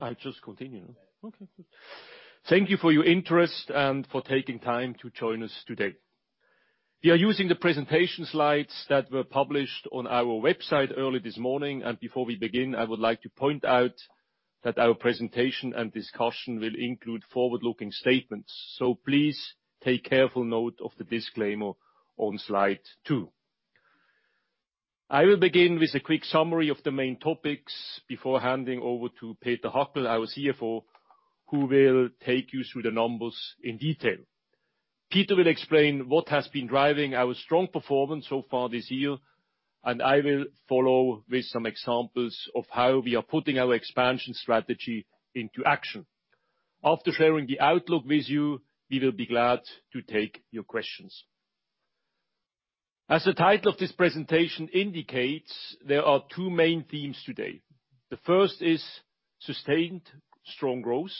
I just continue? Yes. Okay, good. Thank you for your interest and for taking time to join us today. We are using the presentation slides that were published on our website early this morning. Before we begin, I would like to point out that our presentation and discussion will include forward-looking statements. Please take careful note of the disclaimer on Slide 2. I will begin with a quick summary of the main topics before handing over to Peter Hackel, our CFO, who will take you through the numbers in detail. Peter will explain what has been driving our strong performance so far this year, and I will follow with some examples of how we are putting our expansion strategy into action. After sharing the outlook with you, we will be glad to take your questions. As the title of this presentation indicates, there are two main themes today. The first is sustained strong growth,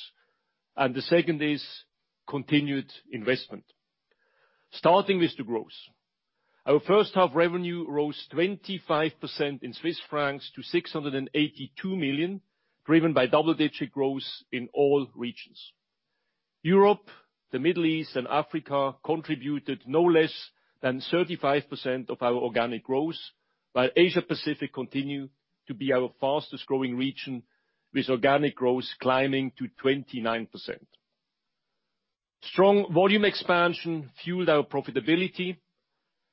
and the second is continued investment. Starting with the growth. Our first half revenue rose 25% in CHF to 682 million Swiss francs, driven by double-digit growth in all regions. Europe, the Middle East, and Africa contributed no less than 35% of our organic growth. Asia Pacific continue to be our fastest growing region, with organic growth climbing to 29%. Strong volume expansion fueled our profitability,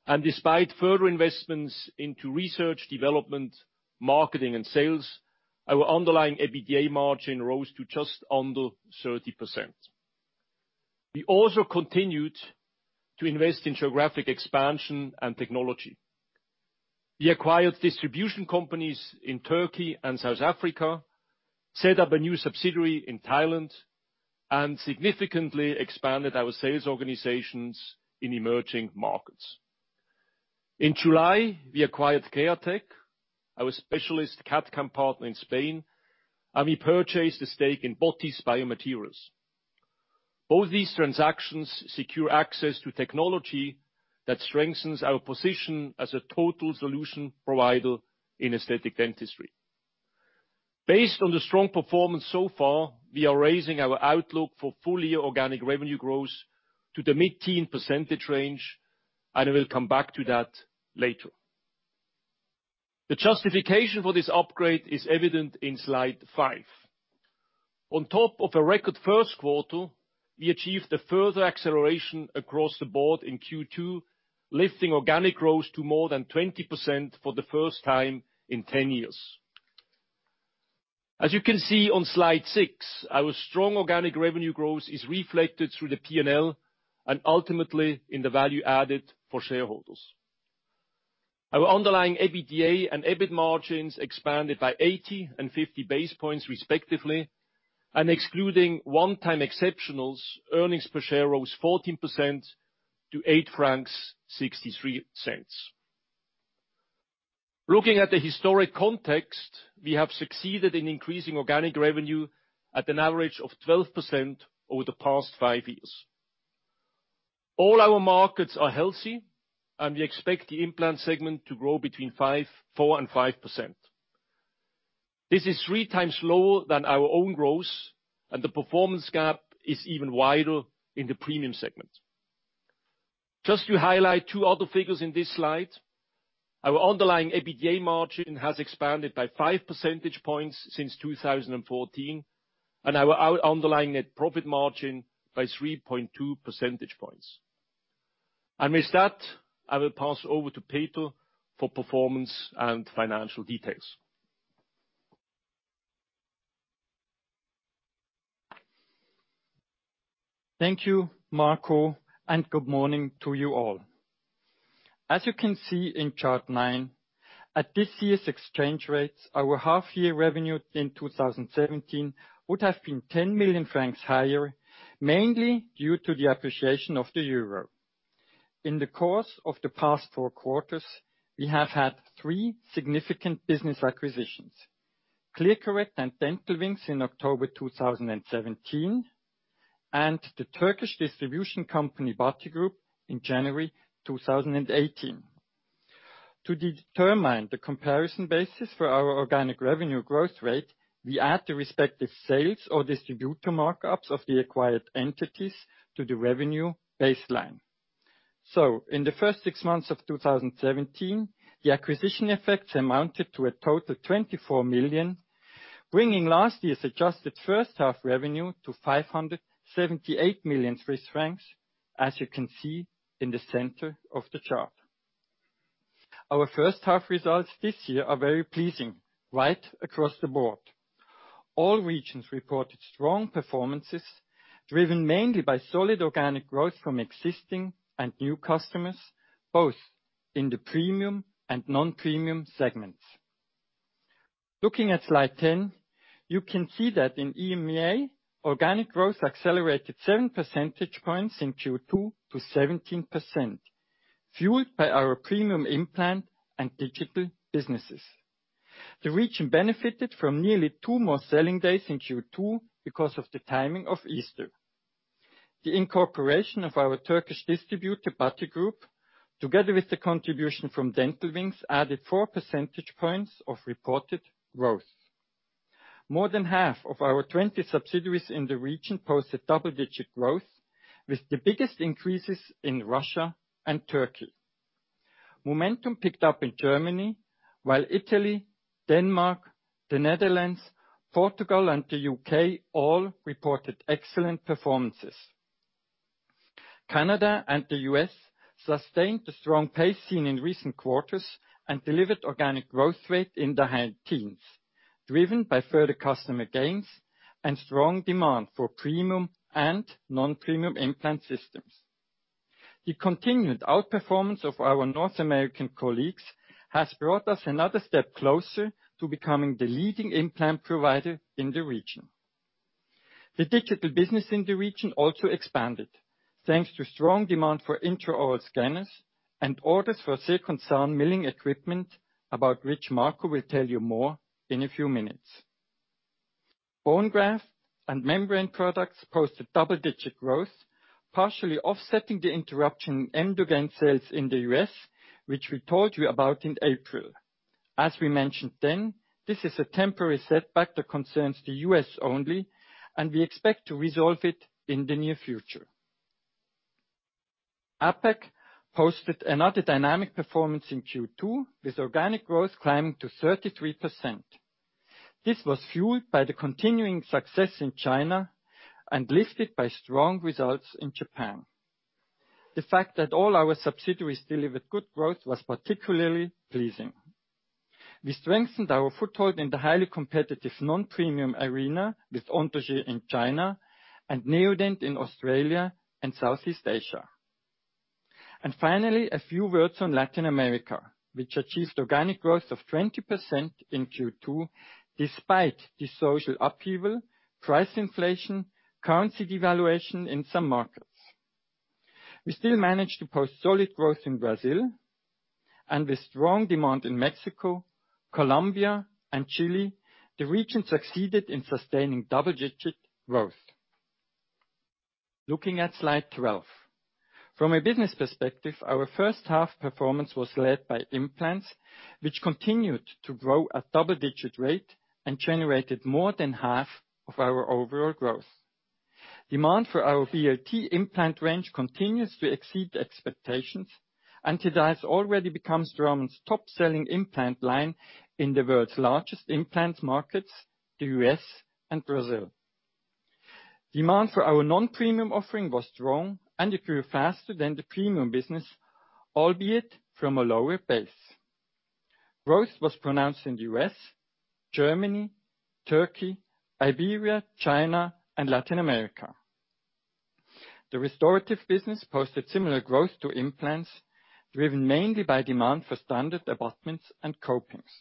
and despite further investments into research, development, marketing, and sales, our underlying EBITDA margin rose to just under 30%. We also continued to invest in geographic expansion and technology. We acquired distribution companies in Turkey and South Africa, set up a new subsidiary in Thailand, and significantly expanded our sales organizations in emerging markets. In July, we acquired Createch, our specialist CAD/CAM partner in Spain, and we purchased a stake in Botiss Biomaterials. Both these transactions secure access to technology that strengthens our position as a total solution provider in aesthetic dentistry. Based on the strong performance so far, we are raising our outlook for full year organic revenue growth to the mid-teen percentage range, and I will come back to that later. The justification for this upgrade is evident in Slide 5. On top of a record first quarter, we achieved a further acceleration across the board in Q2, lifting organic growth to more than 20% for the first time in 10 years. As you can see on Slide 6, our strong organic revenue growth is reflected through the P&L, and ultimately in the value added for shareholders. Our underlying EBITDA and EBIT margins expanded by 80 and 50 basis points respectively. Excluding one-time exceptionals, earnings per share rose 14% to 8.63 francs. Looking at the historic context, we have succeeded in increasing organic revenue at an average of 12% over the past five years. All our markets are healthy, we expect the implant segment to grow between 4% and 5%. This is three times lower than our own growth, and the performance gap is even wider in the premium segment. Just to highlight two other figures in this slide, our underlying EBITDA margin has expanded by five percentage points since 2014, and our underlying net profit margin by 3.2 percentage points. With that, I will pass over to Peter for performance and financial details. Thank you, Marco, and good morning to you all. As you can see in chart nine, at this year's exchange rates, our half year revenue in 2017 would have been 10 million francs higher, mainly due to the appreciation of the euro. In the course of the past four quarters, we have had three significant business acquisitions. ClearCorrect and Dental Wings in October 2017, and the Turkish distribution company, Batigroup, in January 2018. To determine the comparison basis for our organic revenue growth rate, we add the respective sales or distributor markups of the acquired entities to the revenue baseline. In the first six months of 2017, the acquisition effects amounted to a total 24 million, bringing last year's adjusted first half revenue to 578 million Swiss francs, as you can see in the center of the chart. Our first half results this year are very pleasing right across the board. All regions reported strong performances, driven mainly by solid organic growth from existing and new customers, both in the premium and non-premium segments. Looking at Slide 10, you can see that in EMEA, organic growth accelerated seven percentage points in Q2 to 17%, fueled by our premium implant and digital businesses. The region benefited from nearly two more selling days in Q2 because of the timing of Easter. The incorporation of our Turkish distributor, Batigroup, together with the contribution from Dental Wings, added four percentage points of reported growth. More than half of our 20 subsidiaries in the region posted double-digit growth, with the biggest increases in Russia and Turkey. Momentum picked up in Germany, while Italy, Denmark, the Netherlands, Portugal, and the U.K. all reported excellent performances. Canada and the U.S. sustained a strong pace seen in recent quarters and delivered organic growth rate in the high teens, driven by further customer gains and strong demand for premium and non-premium implant systems. The continued outperformance of our North American colleagues has brought us another step closer to becoming the leading implant provider in the region. The digital business in the region also expanded thanks to strong demand for intraoral scanners and orders for Zirkonzahn milling equipment, about which Marco will tell you more in a few minutes. Bone graft and membrane products posted double-digit growth, partially offsetting the interruption Emdogain sales in the U.S., which we told you about in April. As we mentioned then, this is a temporary setback that concerns the U.S. only, we expect to resolve it in the near future. APAC posted another dynamic performance in Q2, with organic growth climbing to 33%. This was fueled by the continuing success in China and lifted by strong results in Japan. The fact that all our subsidiaries delivered good growth was particularly pleasing. We strengthened our foothold in the highly competitive, non-premium arena with Anthogyr in China and Neodent in Australia and Southeast Asia. Finally, a few words on Latin America, which achieved organic growth of 20% in Q2 despite the social upheaval, price inflation, currency devaluation in some markets. We still managed to post solid growth in Brazil, and with strong demand in Mexico, Colombia, and Chile, the region succeeded in sustaining double-digit growth. Looking at slide 12. From a business perspective, our first half performance was led by implants, which continued to grow at double-digit rate and generated more than half of our overall growth. Demand for our BLT implant range continues to exceed expectations and today has already become Straumann's top-selling implant line in the world's largest implants markets, the U.S. and Brazil. Demand for our non-premium offering was strong and it grew faster than the premium business, albeit from a lower base. Growth was pronounced in the U.S., Germany, Turkey, Iberia, China, and Latin America. The restorative business posted similar growth to implants, driven mainly by demand for standard abutments and copings.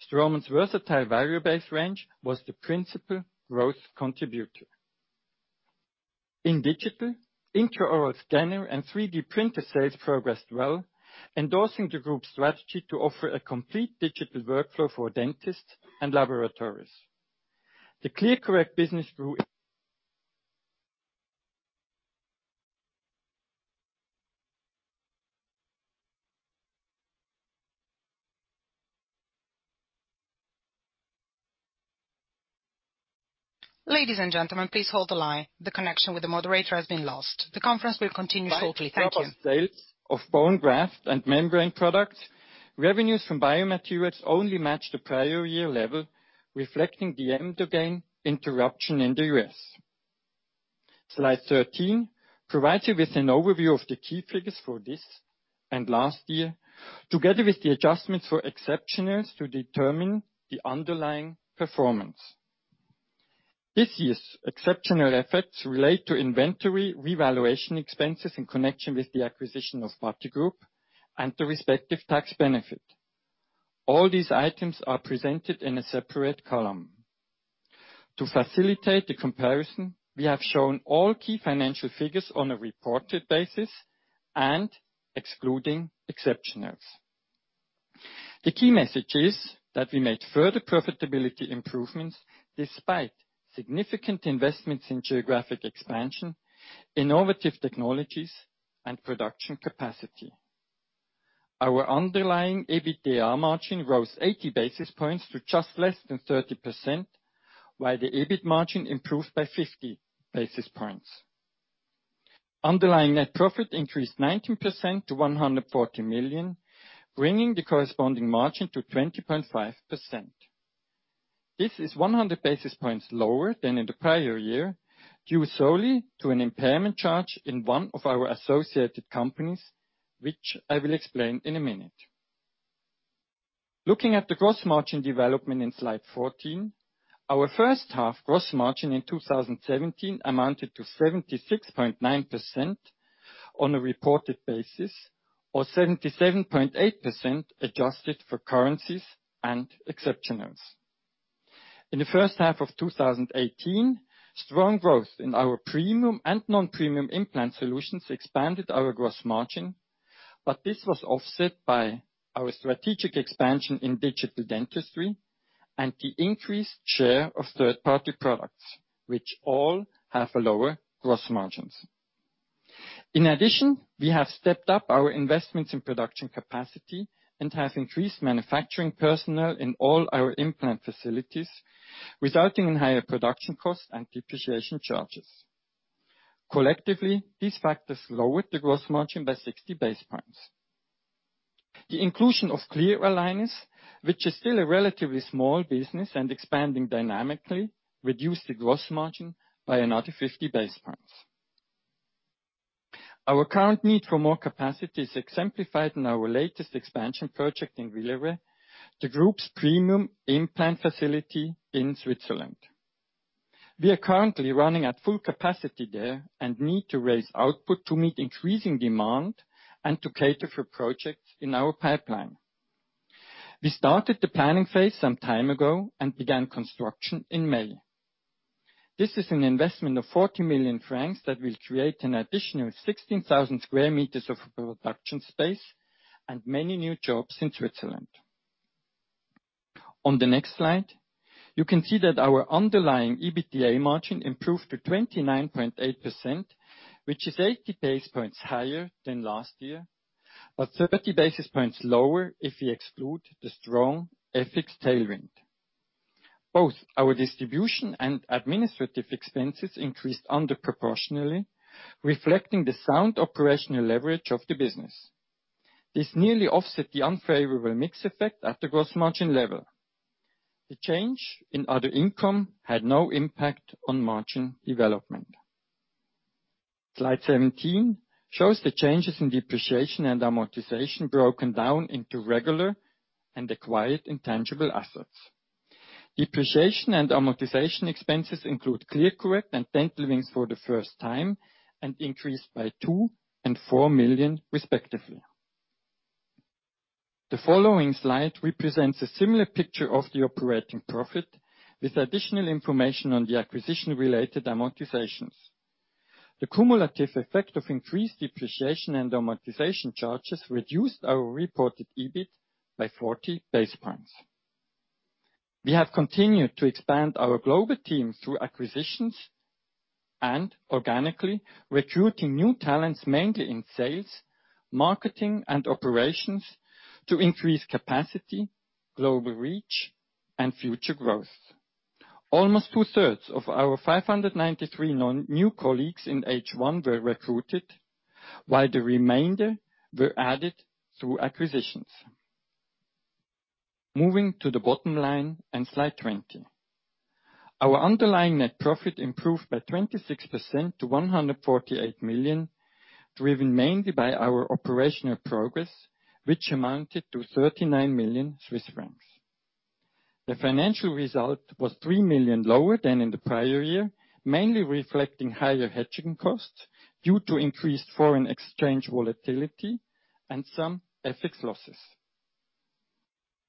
Straumann's versatile value-based range was the principal growth contributor. In digital, intraoral scanner and 3D printer sales progressed well, endorsing the group's strategy to offer a complete digital workflow for dentists and laboratories. The ClearCorrect business grew. Ladies and gentlemen, please hold the line. The connection with the moderator has been lost. The conference will continue shortly. Thank you. Sales of bone graft and membrane products, revenues from biomaterials only match the prior year level, reflecting the Emdogain interruption in the U.S. Slide 13 provides you with an overview of the key figures for this and last year, together with the adjustments for exceptionals to determine the underlying performance. This year's exceptional effects relate to inventory revaluation expenses in connection with the acquisition of Batigroup and the respective tax benefit. All these items are presented in a separate column. To facilitate the comparison, we have shown all key financial figures on a reported basis and excluding exceptionals. The key message is that we made further profitability improvements despite significant investments in geographic expansion, innovative technologies, and production capacity. Our underlying EBITDA margin rose 80 basis points to just less than 30%, while the EBIT margin improved by 50 basis points. Underlying net profit increased 19% to 140 million, bringing the corresponding margin to 20.5%. This is 100 basis points lower than in the prior year, due solely to an impairment charge in one of our associated companies, which I will explain in a minute. Looking at the gross margin development in Slide 14, our first half gross margin in 2017 amounted to 76.9% on a reported basis or 77.8% adjusted for currencies and exceptionals. In the first half of 2018, strong growth in our premium and non-premium implant solutions expanded our gross margin, but this was offset by our strategic expansion in digital dentistry and the increased share of third-party products, which all have lower gross margins. In addition, we have stepped up our investments in production capacity and have increased manufacturing personnel in all our implant facilities, resulting in higher production costs and depreciation charges. Collectively, these factors lowered the gross margin by 60 basis points. The inclusion of clear aligners, which is still a relatively small business and expanding dynamically, reduced the gross margin by another 50 basis points. Our current need for more capacity is exemplified in our latest expansion project in Villeret, the group's premium implant facility in Switzerland. We are currently running at full capacity there and need to raise output to meet increasing demand and to cater for projects in our pipeline. We started the planning phase some time ago and began construction in May. This is an investment of 40 million francs that will create an additional 16,000 sq m of production space and many new jobs in Switzerland. On the next slide, you can see that our underlying EBITDA margin improved to 29.8%, which is 80 basis points higher than last year, but 30 basis points lower if we exclude the strong FX tailwind. Both our distribution and administrative expenses increased under proportionally reflecting the sound operational leverage of the business. This nearly offset the unfavorable mix effect at the gross margin level. The change in other income had no impact on margin development. Slide 17 shows the changes in depreciation and amortization broken down into regular and acquired intangible assets. Depreciation and amortization expenses include ClearCorrect and Dental Wings for the first time and increased by 2 million and 4 million respectively. The following slide represents a similar picture of the operating profit, with additional information on the acquisition-related amortizations. The cumulative effect of increased depreciation and amortization charges reduced our reported EBIT by 40 basis points. We have continued to expand our global teams through acquisitions and organically recruiting new talents, mainly in sales, marketing, and operations, to increase capacity, global reach, and future growth. Almost two-thirds of our 593 new colleagues in H1 were recruited, while the remainder were added through acquisitions. Moving to the bottom line in Slide 20. Our underlying net profit improved by 26% to 148 million, driven mainly by our operational progress, which amounted to 39 million Swiss francs. The financial result was 3 million lower than in the prior year, mainly reflecting higher hedging costs due to increased foreign exchange volatility and some FX losses.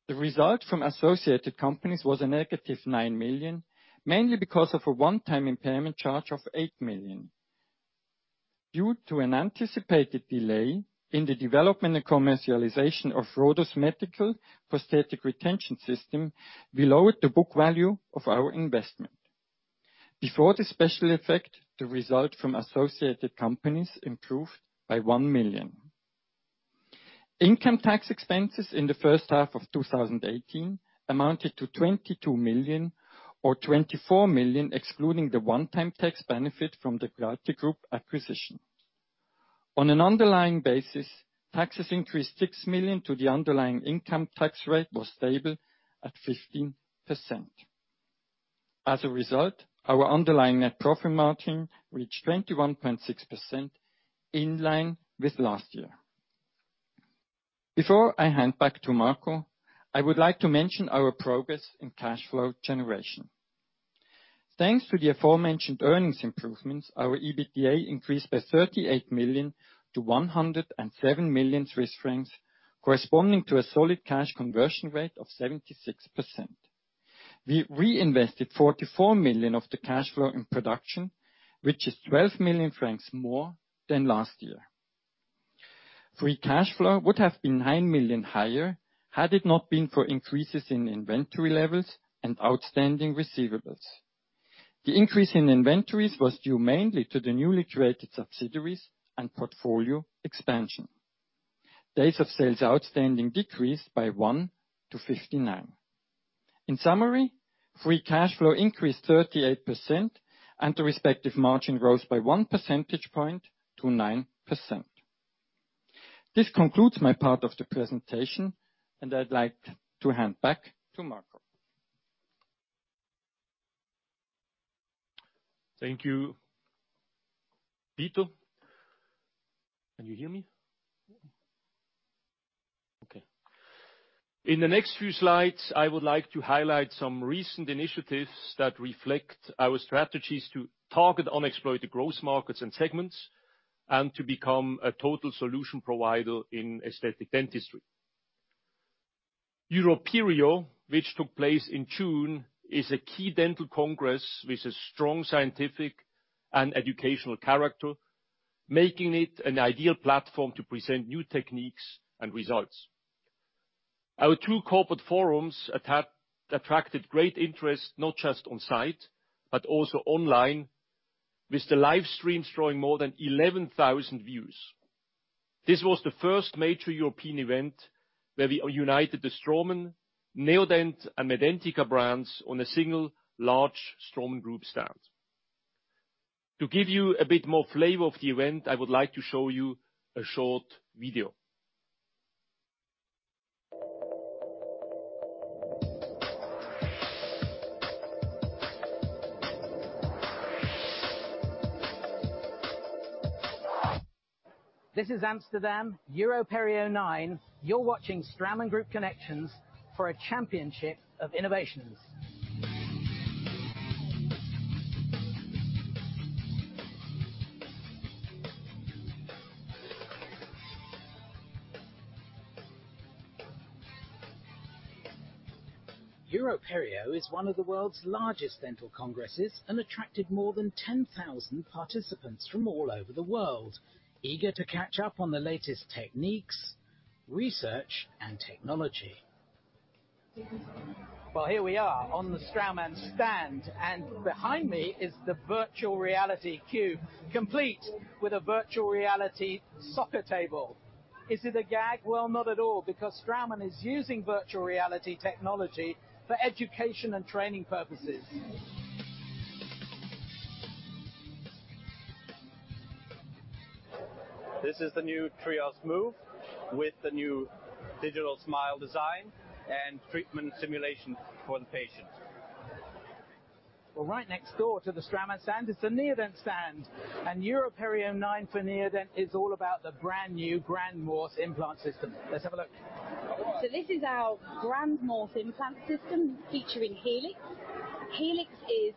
The result from associated companies was a negative 9 million, mainly because of a one-time impairment charge of 8 million. Due to an anticipated delay in the development and commercialization of Rodo Medical prosthetic retention system, we lowered the book value of our investment. Before the special effect, the result from associated companies improved by 1 million. Income tax expenses in the first half of 2018 amounted to 22 million or 24 million, excluding the one-time tax benefit from the Batiroup acquisition. On an underlying basis, taxes increased 6 million. The underlying income tax rate was stable at 15%. As a result, our underlying net profit margin reached 21.6%, in line with last year. Before I hand back to Marco, I would like to mention our progress in cash flow generation. Thanks to the aforementioned earnings improvements, our EBITDA increased by 38 million to 107 million Swiss francs, corresponding to a solid cash conversion rate of 76%. We reinvested 44 million of the cash flow in production, which is 12 million francs more than last year. Free cash flow would have been 9 million higher had it not been for increases in inventory levels and outstanding receivables. The increase in inventories was due mainly to the newly created subsidiaries and portfolio expansion. Days of sales outstanding decreased by one to 59. In summary, free cash flow increased 38%, and the respective margin rose by one percentage point to 9%. This concludes my part of the presentation. I'd like to hand back to Marco. Thank you, Peter. Can you hear me? Okay. In the next few slides, I would like to highlight some recent initiatives that reflect our strategies to target unexploited growth markets and segments and to become a total solution provider in aesthetic dentistry. EuroPerio, which took place in June, is a key dental congress with a strong scientific and educational character, making it an ideal platform to present new techniques and results. Our two corporate forums attracted great interest, not just on site, but also online, with the livestreams drawing more than 11,000 views. This was the first major European event where we united the Straumann, Neodent, and Medentika brands on a single large Straumann Group stand. To give you a bit more flavor of the event, I would like to show you a short video. This is Amsterdam, EuroPerio9. You're watching Straumann Group Connections for a championship of innovations. EuroPerio is one of the world's largest dental congresses and attracted more than 10,000 participants from all over the world, eager to catch up on the latest techniques, research, and technology. Well, here we are on the Straumann stand. Behind me is the virtual reality cube, complete with a virtual reality soccer table. Is it a gag? Well, not at all, because Straumann is using virtual reality technology for education and training purposes. This is the new TRIOS MOVE with the new Digital Smile Design and treatment simulation for the patient. Well, right next door to the Straumann stand is the Neodent stand. EuroPerio9 for Neodent is all about the brand-new Grand Morse implant system. Let's have a look. This is our Grand Morse implant system featuring Helix. Helix is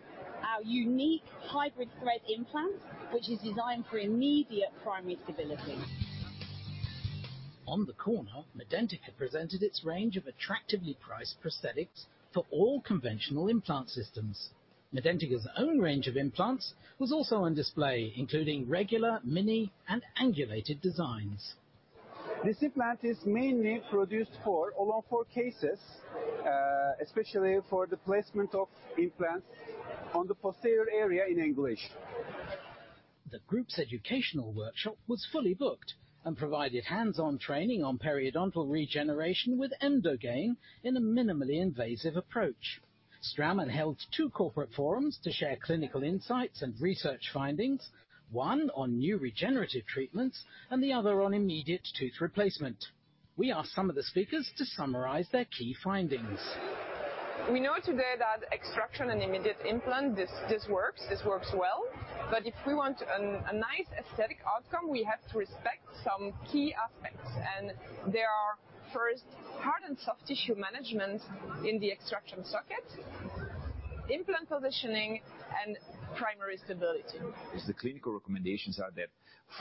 our unique hybrid thread implant, which is designed for immediate primary stability. On the corner, Medentika presented its range of attractively priced prosthetics for all conventional implant systems. Medentika's own range of implants was also on display, including regular, mini, and angulated designs. This implant is mainly produced for All-on-4 cases, especially for the placement of implants on the posterior area in English. The Group's educational workshop was fully booked and provided hands-on training on periodontal regeneration with Emdogain in a minimally invasive approach. Straumann held two corporate forums to share clinical insights and research findings, one on new regenerative treatments and the other on immediate tooth replacement. We asked some of the speakers to summarize their key findings. We know today that extraction and immediate implant, this works. This works well. If we want a nice esthetic outcome, we have to respect some key aspects, and they are, first, hard and soft tissue management in the extraction socket, implant positioning, and primary stability. As the clinical recommendations are that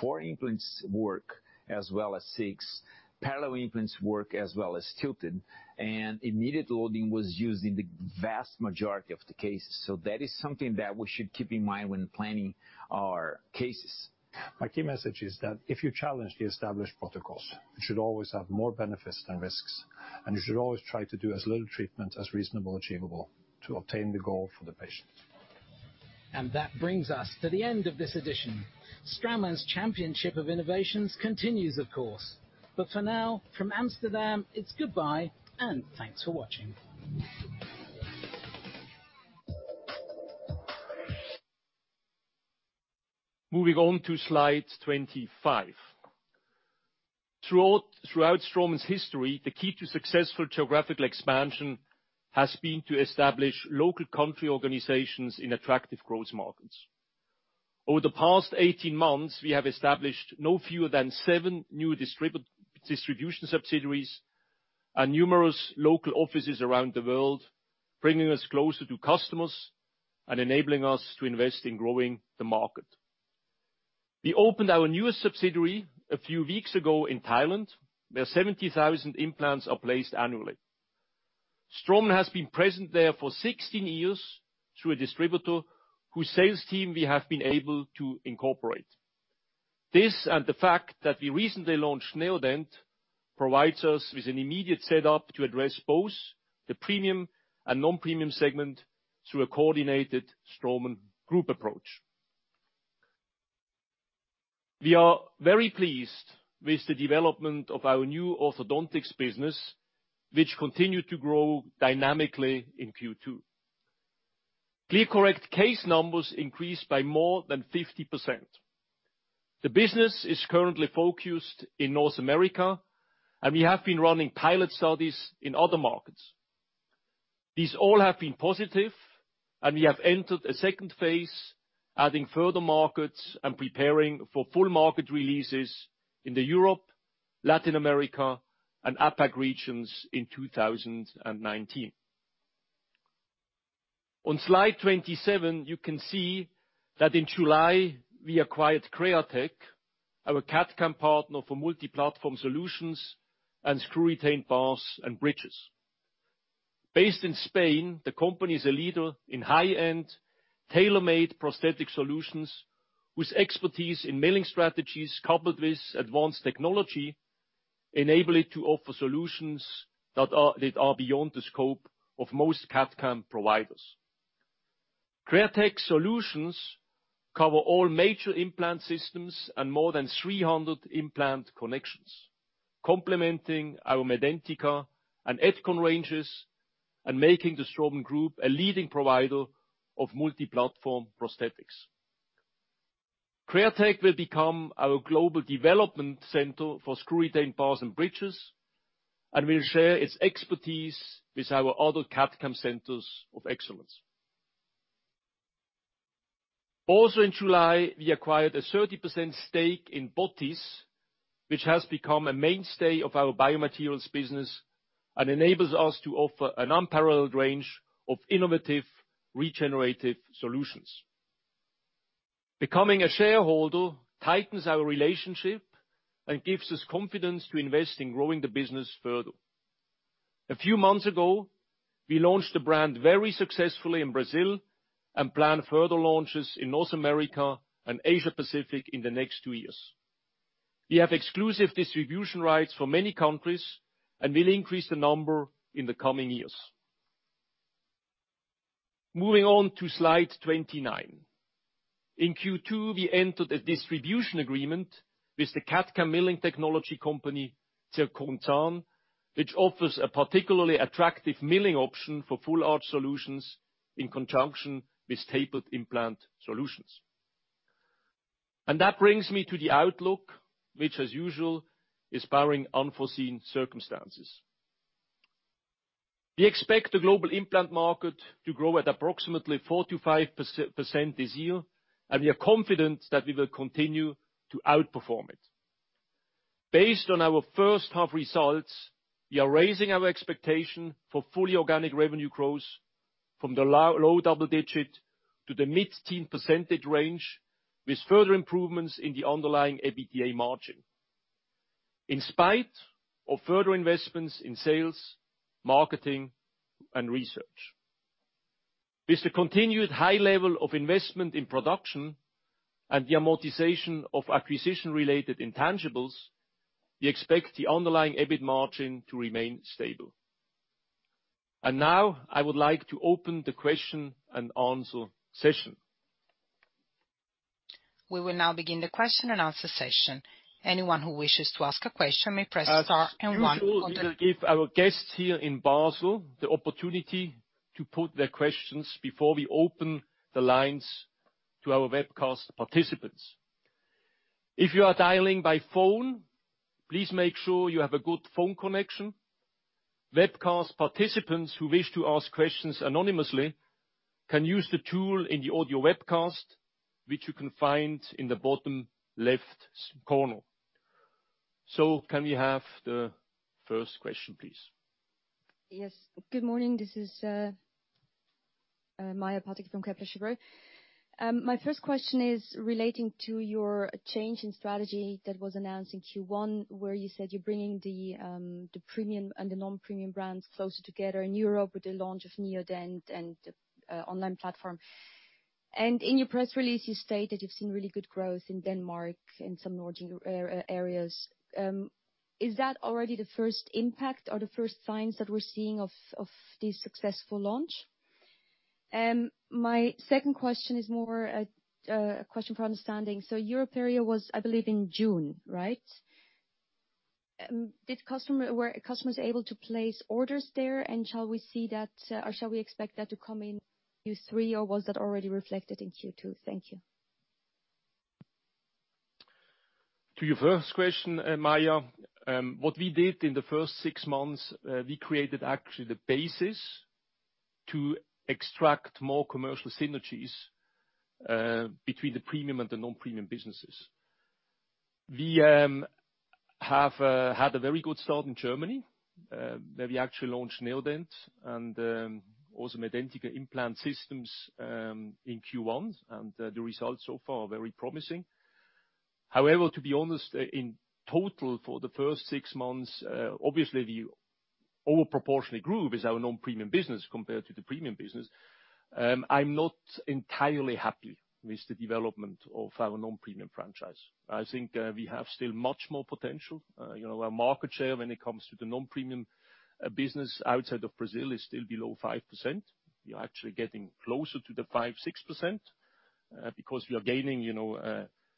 four implants work as well as six, parallel implants work as well as tilted, and immediate loading was used in the vast majority of the cases. That is something that we should keep in mind when planning our cases. My key message is that if you challenge the established protocols, you should always have more benefits than risks, and you should always try to do as little treatment as reasonably achievable to obtain the goal for the patient. That brings us to the end of this edition. Straumann's championship of innovations continues, of course. For now, from Amsterdam, it's goodbye and thanks for watching. Moving on to slide 25. Throughout Straumann's history, the key to successful geographical expansion has been to establish local country organizations in attractive growth markets. Over the past 18 months, we have established no fewer than seven new distribution subsidiaries and numerous local offices around the world, bringing us closer to customers and enabling us to invest in growing the market. We opened our newest subsidiary a few weeks ago in Thailand, where 70,000 implants are placed annually. Straumann has been present there for 16 years through a distributor whose sales team we have been able to incorporate. This, and the fact that we recently launched Neodent, provides us with an immediate setup to address both the premium and non-premium segment through a coordinated Straumann Group approach. We are very pleased with the development of our new orthodontics business, which continued to grow dynamically in Q2. ClearCorrect case numbers increased by more than 50%. The business is currently focused in North America, and we have been running pilot studies in other markets. These all have been positive, and we have entered a second phase, adding further markets and preparing for full market releases into Europe, Latin America, and APAC regions in 2019. On slide 27, you can see that in July, we acquired Createch, our CAD/CAM partner for multi-platform solutions and screw-retained bars and bridges. Based in Spain, the company is a leader in high-end, tailor-made prosthetic solutions with expertise in milling strategies, coupled with advanced technology, enable it to offer solutions that are beyond the scope of most CAD/CAM providers. Createch solutions cover all major implant systems and more than 300 implant connections, complementing our Medentika and Etkon ranges, and making the Straumann Group a leading provider of multi-platform prosthetics. Createch will become our global development center for screw-retained bars and bridges and will share its expertise with our other CAD/CAM centers of excellence. Also in July, we acquired a 30% stake in Botiss, which has become a mainstay of our biomaterials business and enables us to offer an unparalleled range of innovative regenerative solutions. Becoming a shareholder tightens our relationship and gives us confidence to invest in growing the business further. A few months ago, we launched the brand very successfully in Brazil and plan further launches in North America and Asia Pacific in the next two years. We have exclusive distribution rights for many countries and will increase the number in the coming years. Moving on to slide 29. In Q2, we entered a distribution agreement with the CAD/CAM milling technology company, Zirkonzahn, which offers a particularly attractive milling option for full-arch solutions in conjunction with stapled implant solutions. That brings me to the outlook, which as usual, is barring unforeseen circumstances. We expect the global implant market to grow at approximately 4%-5% this year, and we are confident that we will continue to outperform it. Based on our first half results, we are raising our expectation for fully organic revenue growth from the low double-digit to the mid-teen percentage range, with further improvements in the underlying EBITDA margin, in spite of further investments in sales, marketing, and research. With the continued high level of investment in production and the amortization of acquisition-related intangibles, we expect the underlying EBIT margin to remain stable. Now I would like to open the question and answer session. We will now begin the question and answer session. Anyone who wishes to ask a question may press star and one on their. As usual, we will give our guests here in Basel the opportunity to put their questions before we open the lines to our webcast participants. If you are dialing by phone, please make sure you have a good phone connection. Webcast participants who wish to ask questions anonymously can use the tool in the audio webcast, which you can find in the bottom left corner. Can we have the first question, please? Yes. Good morning. This is Maja Pataki from Kepler Cheuvreux. My first question is relating to your change in strategy that was announced in Q1, where you said you're bringing the premium and the non-premium brands closer together in Europe with the launch of Neodent and the online platform. In your press release, you stated you've seen really good growth in Denmark and some Nordic areas. Is that already the first impact or the first signs that we're seeing of the successful launch? My second question is more a question for understanding. EuroPerio was, I believe, in June, right? Were customers able to place orders there? Shall we see that or shall we expect that to come in Q3 or was that already reflected in Q2? Thank you. To your first question, Maja, what we did in the first six months, we created actually the basis to extract more commercial synergies between the premium and the non-premium businesses. We had a very good start in Germany, where we actually launched Neodent and also Medentika implant systems in Q1. The results so far are very promising. However, to be honest, in total for the first six months, obviously, the overproportionate group is our non-premium business compared to the premium business. I'm not entirely happy with the development of our non-premium franchise. I think we have still much more potential. Our market share when it comes to the non-premium business outside of Brazil is still below 5%. We are actually getting closer to the 5%-6%, because we are gaining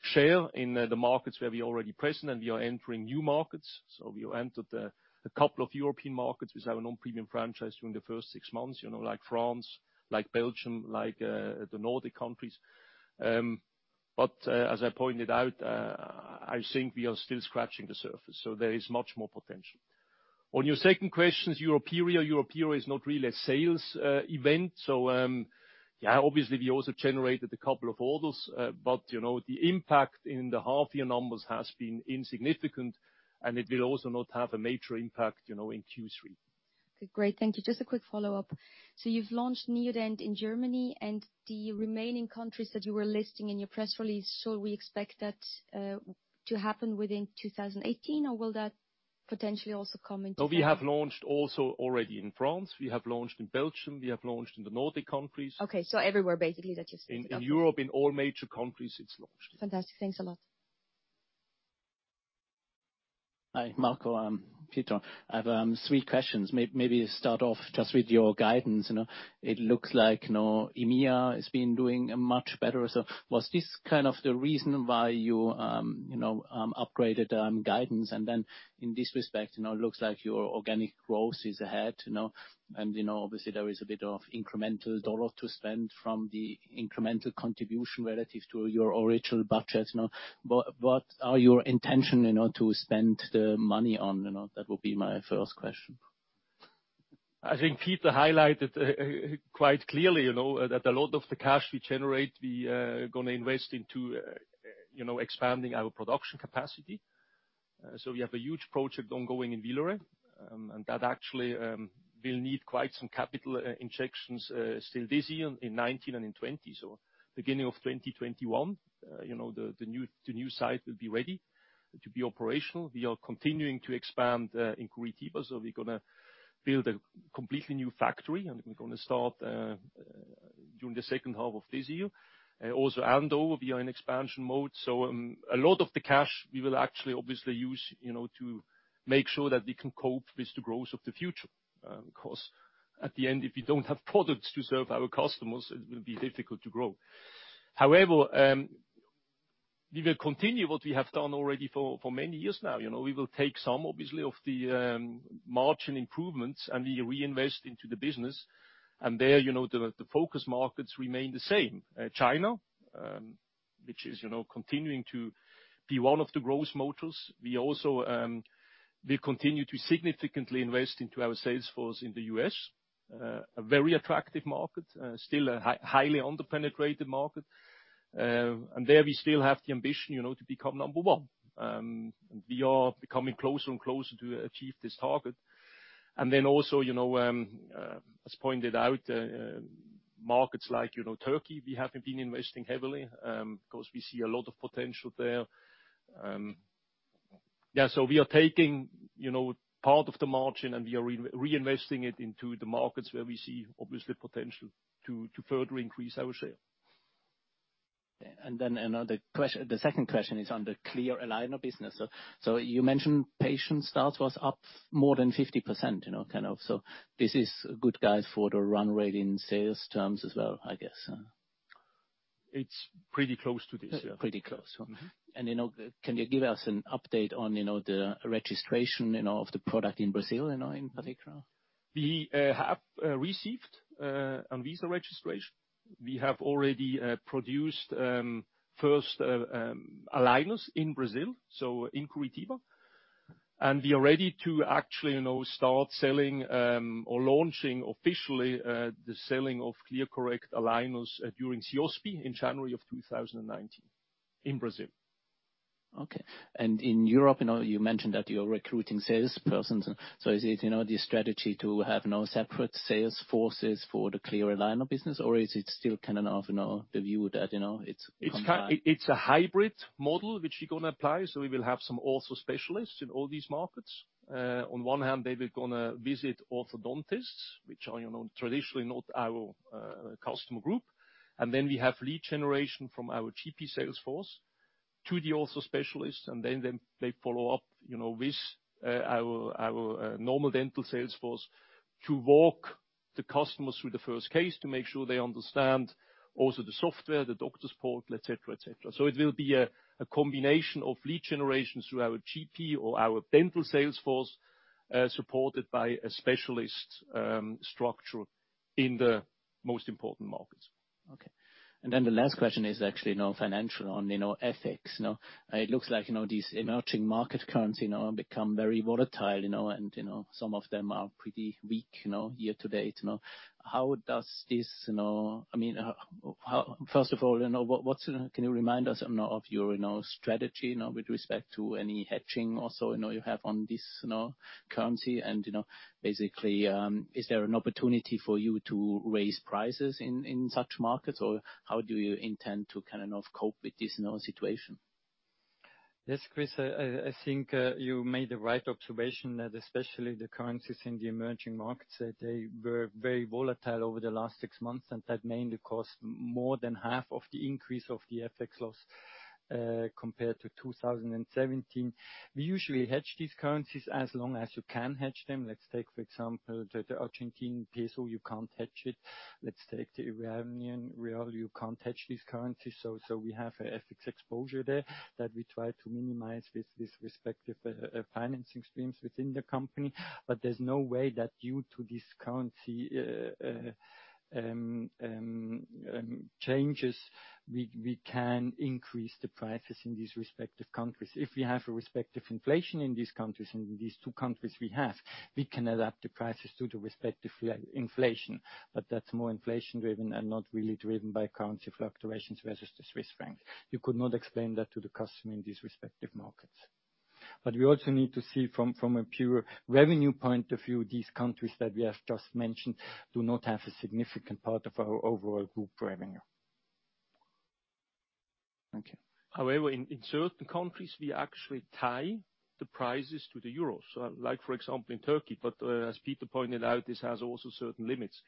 share in the markets where we're already present, and we are entering new markets. We entered a couple of European markets with our non-premium franchise during the first six months, like France, like Belgium, like the Nordic countries. As I pointed out, I think we are still scratching the surface. There is much more potential. On your second question, EuroPerio is not really a sales event. Obviously we also generated a couple of orders, but the impact in the half year numbers has been insignificant, and it will also not have a major impact in Q3. Okay, great. Thank you. Just a quick follow-up. You've launched Neodent in Germany. The remaining countries that you were listing in your press release, shall we expect that to happen within 2018, or will that Potentially also come into- No, we have launched also already in France. We have launched in Belgium. We have launched in the Nordic countries. Okay. Everywhere, basically, that you stated up there. In Europe, in all major countries, it's launched. Fantastic. Thanks a lot. Hi, Marco. I'm Peter. I have three questions. Maybe start off just with your guidance. It looks like EMEA has been doing much better. Was this the reason why you upgraded guidance? In this respect, it looks like your organic growth is ahead. Obviously there is a bit of incremental dollar to spend from the incremental contribution relative to your original budget. What are your intention to spend the money on? That would be my first question. I think Peter highlighted quite clearly, that a lot of the cash we generate, we are going to invest into expanding our production capacity. We have a huge project ongoing in Villeret, and that actually will need quite some capital injections still this year, in 2019 and in 2020. Beginning of 2021, the new site will be ready to be operational. We are continuing to expand in Curitiba, we're going to build a completely new factory, and we're going to start during the second half of this year. Also Andover, we are in expansion mode. A lot of the cash we will actually obviously use to make sure that we can cope with the growth of the future. Because at the end, if we don't have products to serve our customers, it will be difficult to grow. However, we will continue what we have done already for many years now. We will take some, obviously, of the margin improvements, we reinvest into the business. There, the focus markets remain the same. China, which is continuing to be one of the growth motors. We continue to significantly invest into our sales force in the U.S., a very attractive market, still a highly under-penetrated market. There we still have the ambition to become number one. We are becoming closer and closer to achieve this target. Also, as pointed out, markets like Turkey, we have been investing heavily, because we see a lot of potential there. We are taking part of the margin, and we are reinvesting it into the markets where we see obviously potential to further increase our share. The second question is on the Clear Aligner business. You mentioned patient start was up more than 50%, kind of. This is a good guide for the run rate in sales terms as well, I guess. It's pretty close to this, yeah. Pretty close, huh? Can you give us an update on the registration of the product in Brazil, in particular? We have received Anvisa registration. We have already produced first aligners in Brazil, so in Curitiba. We are ready to actually start selling or launching officially, the selling of ClearCorrect aligners during CIOSP in January of 2019 in Brazil. Okay. In Europe, you mentioned that you're recruiting salespersons. Is it the strategy to have now separate sales forces for the clear aligner business, or is it still the view that it's combined? It's a hybrid model which we're going to apply. We will have some ortho specialists in all these markets. On one hand, they were going to visit orthodontists, which are traditionally not our customer group. Then we have lead generation from our GP sales force to the ortho specialists, and then they follow up with our normal dental sales force to walk the customers through the first case to make sure they understand also the software, the doctor support, et cetera. It will be a combination of lead generation through our GP or our dental sales force, supported by a specialist structure in the most important markets. Okay. Then the last question is actually financial on FX. It looks like these emerging market currency become very volatile, and some of them are pretty weak year-to-date. Can you remind us of your strategy with respect to any hedging also you have on this currency and basically, is there an opportunity for you to raise prices in such markets or how do you intend to cope with this situation? Yes, Chris, I think you made the right observation that especially the currencies in the emerging markets, that they were very volatile over the last 6 months, and that mainly cost more than half of the increase of the FX loss compared to 2017. We usually hedge these currencies as long as you can hedge them. Let's take, for example, the ARS, you can't hedge it. Let's take the IRR. You can't hedge this currency. We have a FX exposure there that we try to minimize with these respective financing streams within the company. There's no way that due to these currency changes, we can increase the prices in these respective countries. If we have a respective inflation in these countries, and in these two countries we have, we can adapt the prices to the respective inflation. That's more inflation driven and not really driven by currency fluctuations versus the CHF. You could not explain that to the customer in these respective markets. We also need to see from a pure revenue point of view, these countries that we have just mentioned do not have a significant part of our overall group revenue. Okay. However, in certain countries, we actually tie the prices to the EUR. Like, for example, in Turkey. As Peter pointed out, this has also certain limits.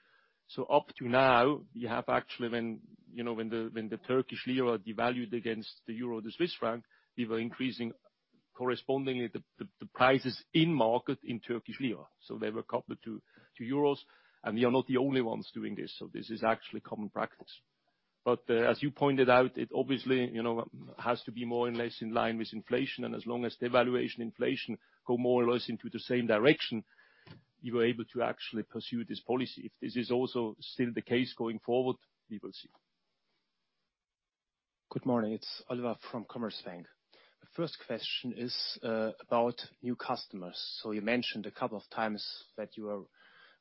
Up to now, we have actually when the TRY devalued against the EUR, the CHF, we were increasing correspondingly the prices in market in TRY. They were coupled to EUR, and we are not the only ones doing this, so this is actually common practice. As you pointed out, it obviously has to be more or less in line with inflation, and as long as devaluation, inflation go more or less into the same direction, we were able to actually pursue this policy. If this is also still the case going forward, we will see. Good morning, it's Oliver from Commerzbank. The first question is about new customers. You mentioned a couple of times that you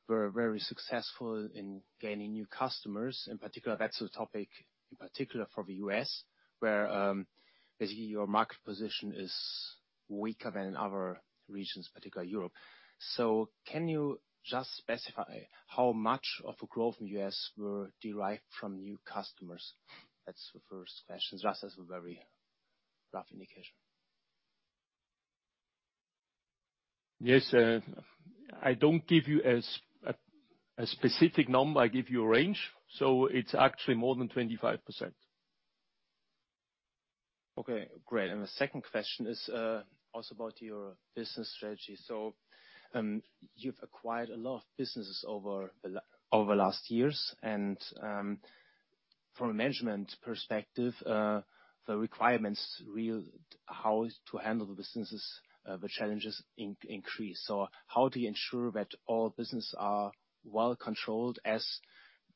were very successful in gaining new customers. In particular, that's a topic, in particular for the U.S., where, basically, your market position is weaker than in other regions, particularly Europe. Can you just specify how much of the growth in the U.S. were derived from new customers? That's the first question. Just as a very rough indication. Yes. I don't give you a specific number. I give you a range. It's actually more than 25%. Okay, great. The second question is, also about your business strategy. You've acquired a lot of businesses over the last years and, from a management perspective, the requirements, how to handle the businesses, the challenges increase. How do you ensure that all business are well controlled as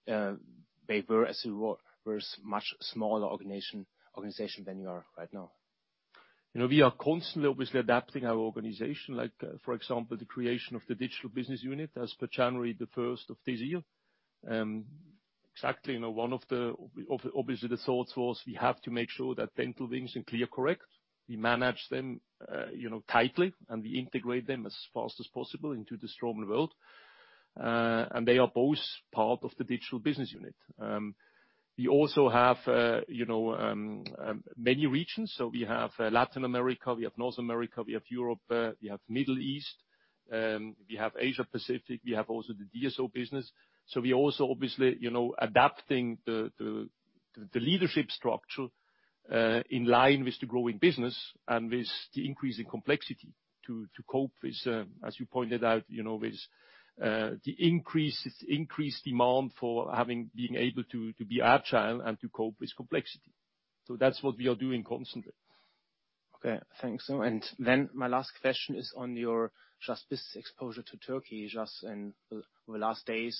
they were as a much smaller organization than you are right now? We are constantly, obviously, adapting our organization, like for example, the creation of the digital business unit as per January 1st of this year. Exactly, one of, obviously, the thoughts was we have to make sure that Dental Wings and ClearCorrect. We manage them tightly, and we integrate them as fast as possible into the Straumann world. They are both part of the digital business unit. We also have many regions. We have Latin America, we have North America, we have Europe, we have Middle East, we have Asia Pacific, we have also the DSO business. We also, obviously, adapting the leadership structure in line with the growing business and with the increasing complexity to cope with, as you pointed out, with the increased demand for being able to be agile and to cope with complexity. That's what we are doing constantly. Okay. Thanks. Then my last question is on your just business exposure to Turkey, just in the last days,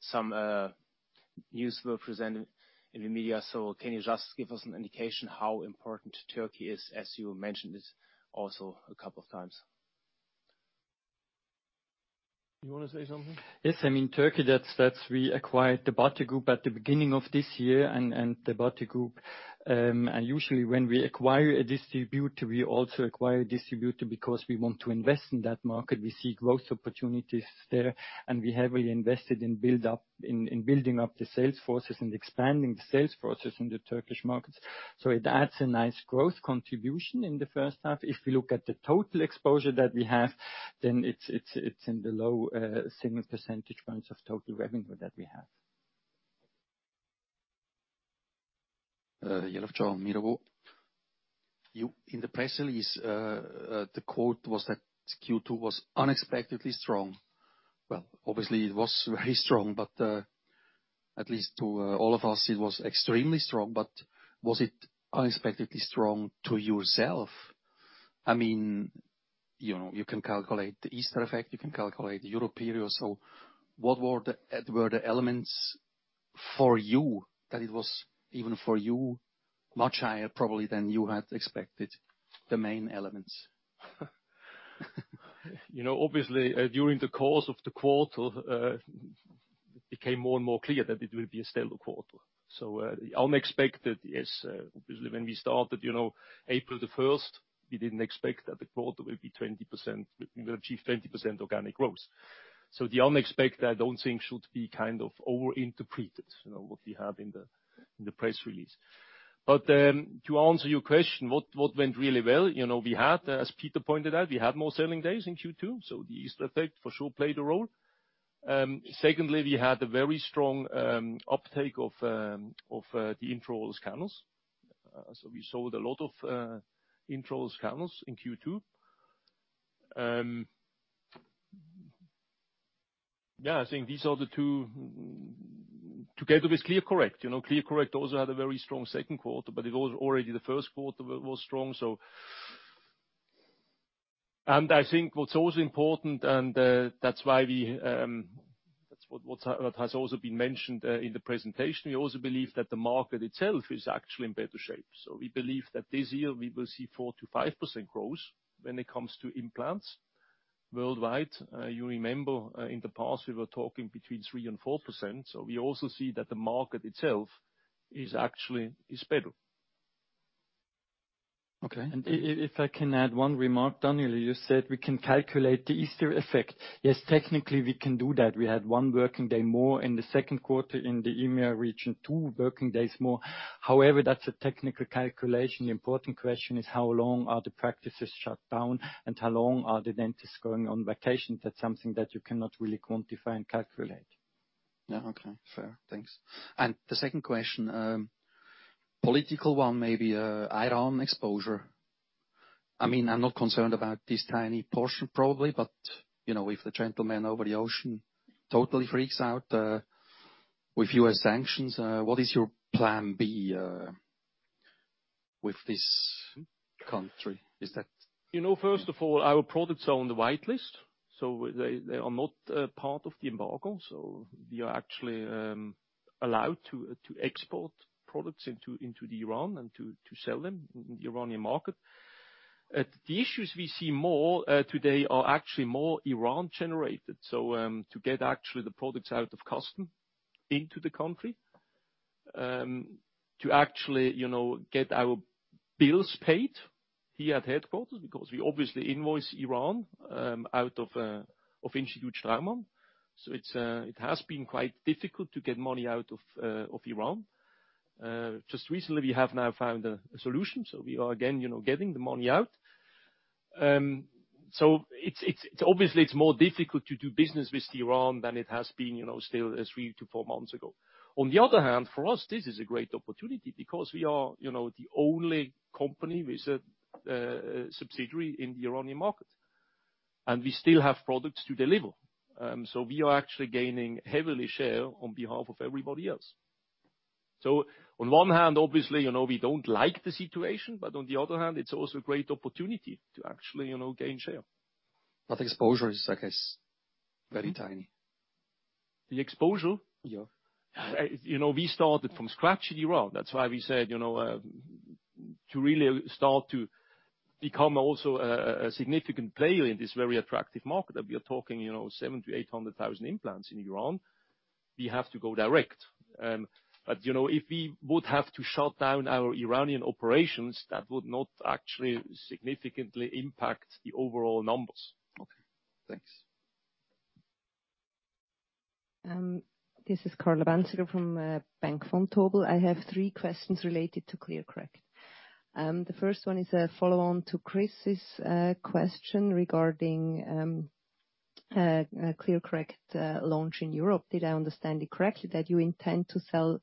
some news were presented in the media. Can you just give us an indication how important Turkey is, as you mentioned this also a couple of times? You want to say something? Yes, Turkey, we acquired the Batigroup at the beginning of this year. Usually when we acquire a distributor, we also acquire a distributor because we want to invest in that market. We see growth opportunities there. We heavily invested in building up the sales forces and expanding the sales forces in the Turkish markets. It adds a nice growth contribution in the first half. If we look at the total exposure that we have, then it's in the low single percentage points of total revenue that we have. , in the press release, the quote was that Q2 was unexpectedly strong. Well, obviously it was very strong, but, at least to all of us, it was extremely strong, but was it unexpectedly strong to yourself? You can calculate the Easter effect, you can calculate the EuroPerio, so what were the elements for you that it was, even for you, much higher probably than you had expected? The main elements. Obviously, during the course of the quarter, it became more and more clear that it will be a stellar quarter. The unexpected, yes, obviously when we started April 1st, we didn't expect that the quarter we'll achieve 20% organic growth. The unexpected, I don't think should be over interpreted, what we have in the press release. To answer your question, what went really well? As Peter pointed out, we had more selling days in Q2, so the Easter effect for sure played a role. Secondly, we had a very strong uptake of the intraoral scanners. We sold a lot of intraoral scanners in Q2. I think these are the two together with ClearCorrect. ClearCorrect also had a very strong second quarter, but already the first quarter was strong. I think what's also important, that's what has also been mentioned in the presentation, we also believe that the market itself is actually in better shape. We believe that this year we will see 4%-5% growth when it comes to implants worldwide. You remember in the past, we were talking between 3% and 4%. We also see that the market itself is better. Okay. If I can add one remark, Daniel, you said we can calculate the Easter effect. Yes, technically we can do that. We had one working day more in the second quarter in the EMEA region, two working days more. However, that's a technical calculation. The important question is how long are the practices shut down and how long are the dentists going on vacation? That's something that you cannot really quantify and calculate. Yeah. Okay, fair. Thanks. The second question, political one maybe, Iran exposure. I'm not concerned about this tiny portion probably, but, if the gentleman over the ocean totally freaks out, with U.S. sanctions, what is your plan B with this country? Is that- First of all, our products are on the white list, they are not a part of the embargo. We are actually allowed to export products into Iran and to sell them in the Iranian market. The issues we see more today are actually more Iran generated. To get actually the products out of custom into the country, to actually get our bills paid here at headquarters, because we obviously invoice Iran, out of Institut Straumann. It has been quite difficult to get money out of Iran. Just recently we have now found a solution, we are again getting the money out. Obviously it's more difficult to do business with Iran than it has been still three to four months ago. The other hand, for us, this is a great opportunity because we are the only company with a subsidiary in the Iranian market, and we still have products to deliver. We are actually gaining heavily share on behalf of everybody else. On one hand, obviously, we don't like the situation, but on the other hand, it's also a great opportunity to actually gain share. The exposure is, I guess, very tiny. The exposure? Yeah. We started from scratch in Iran. That's why we said, to really start to become also a significant player in this very attractive market, we are talking seven to 800,000 implants in Iran, we have to go direct. If we would have to shut down our Iranian operations, that would not actually significantly impact the overall numbers. Okay, thanks. This is Carla Bänziger from Bank Vontobel. I have three questions related to ClearCorrect. The first one is a follow-on to Chris's question regarding ClearCorrect launch in Europe. Did I understand it correctly that you intend to sell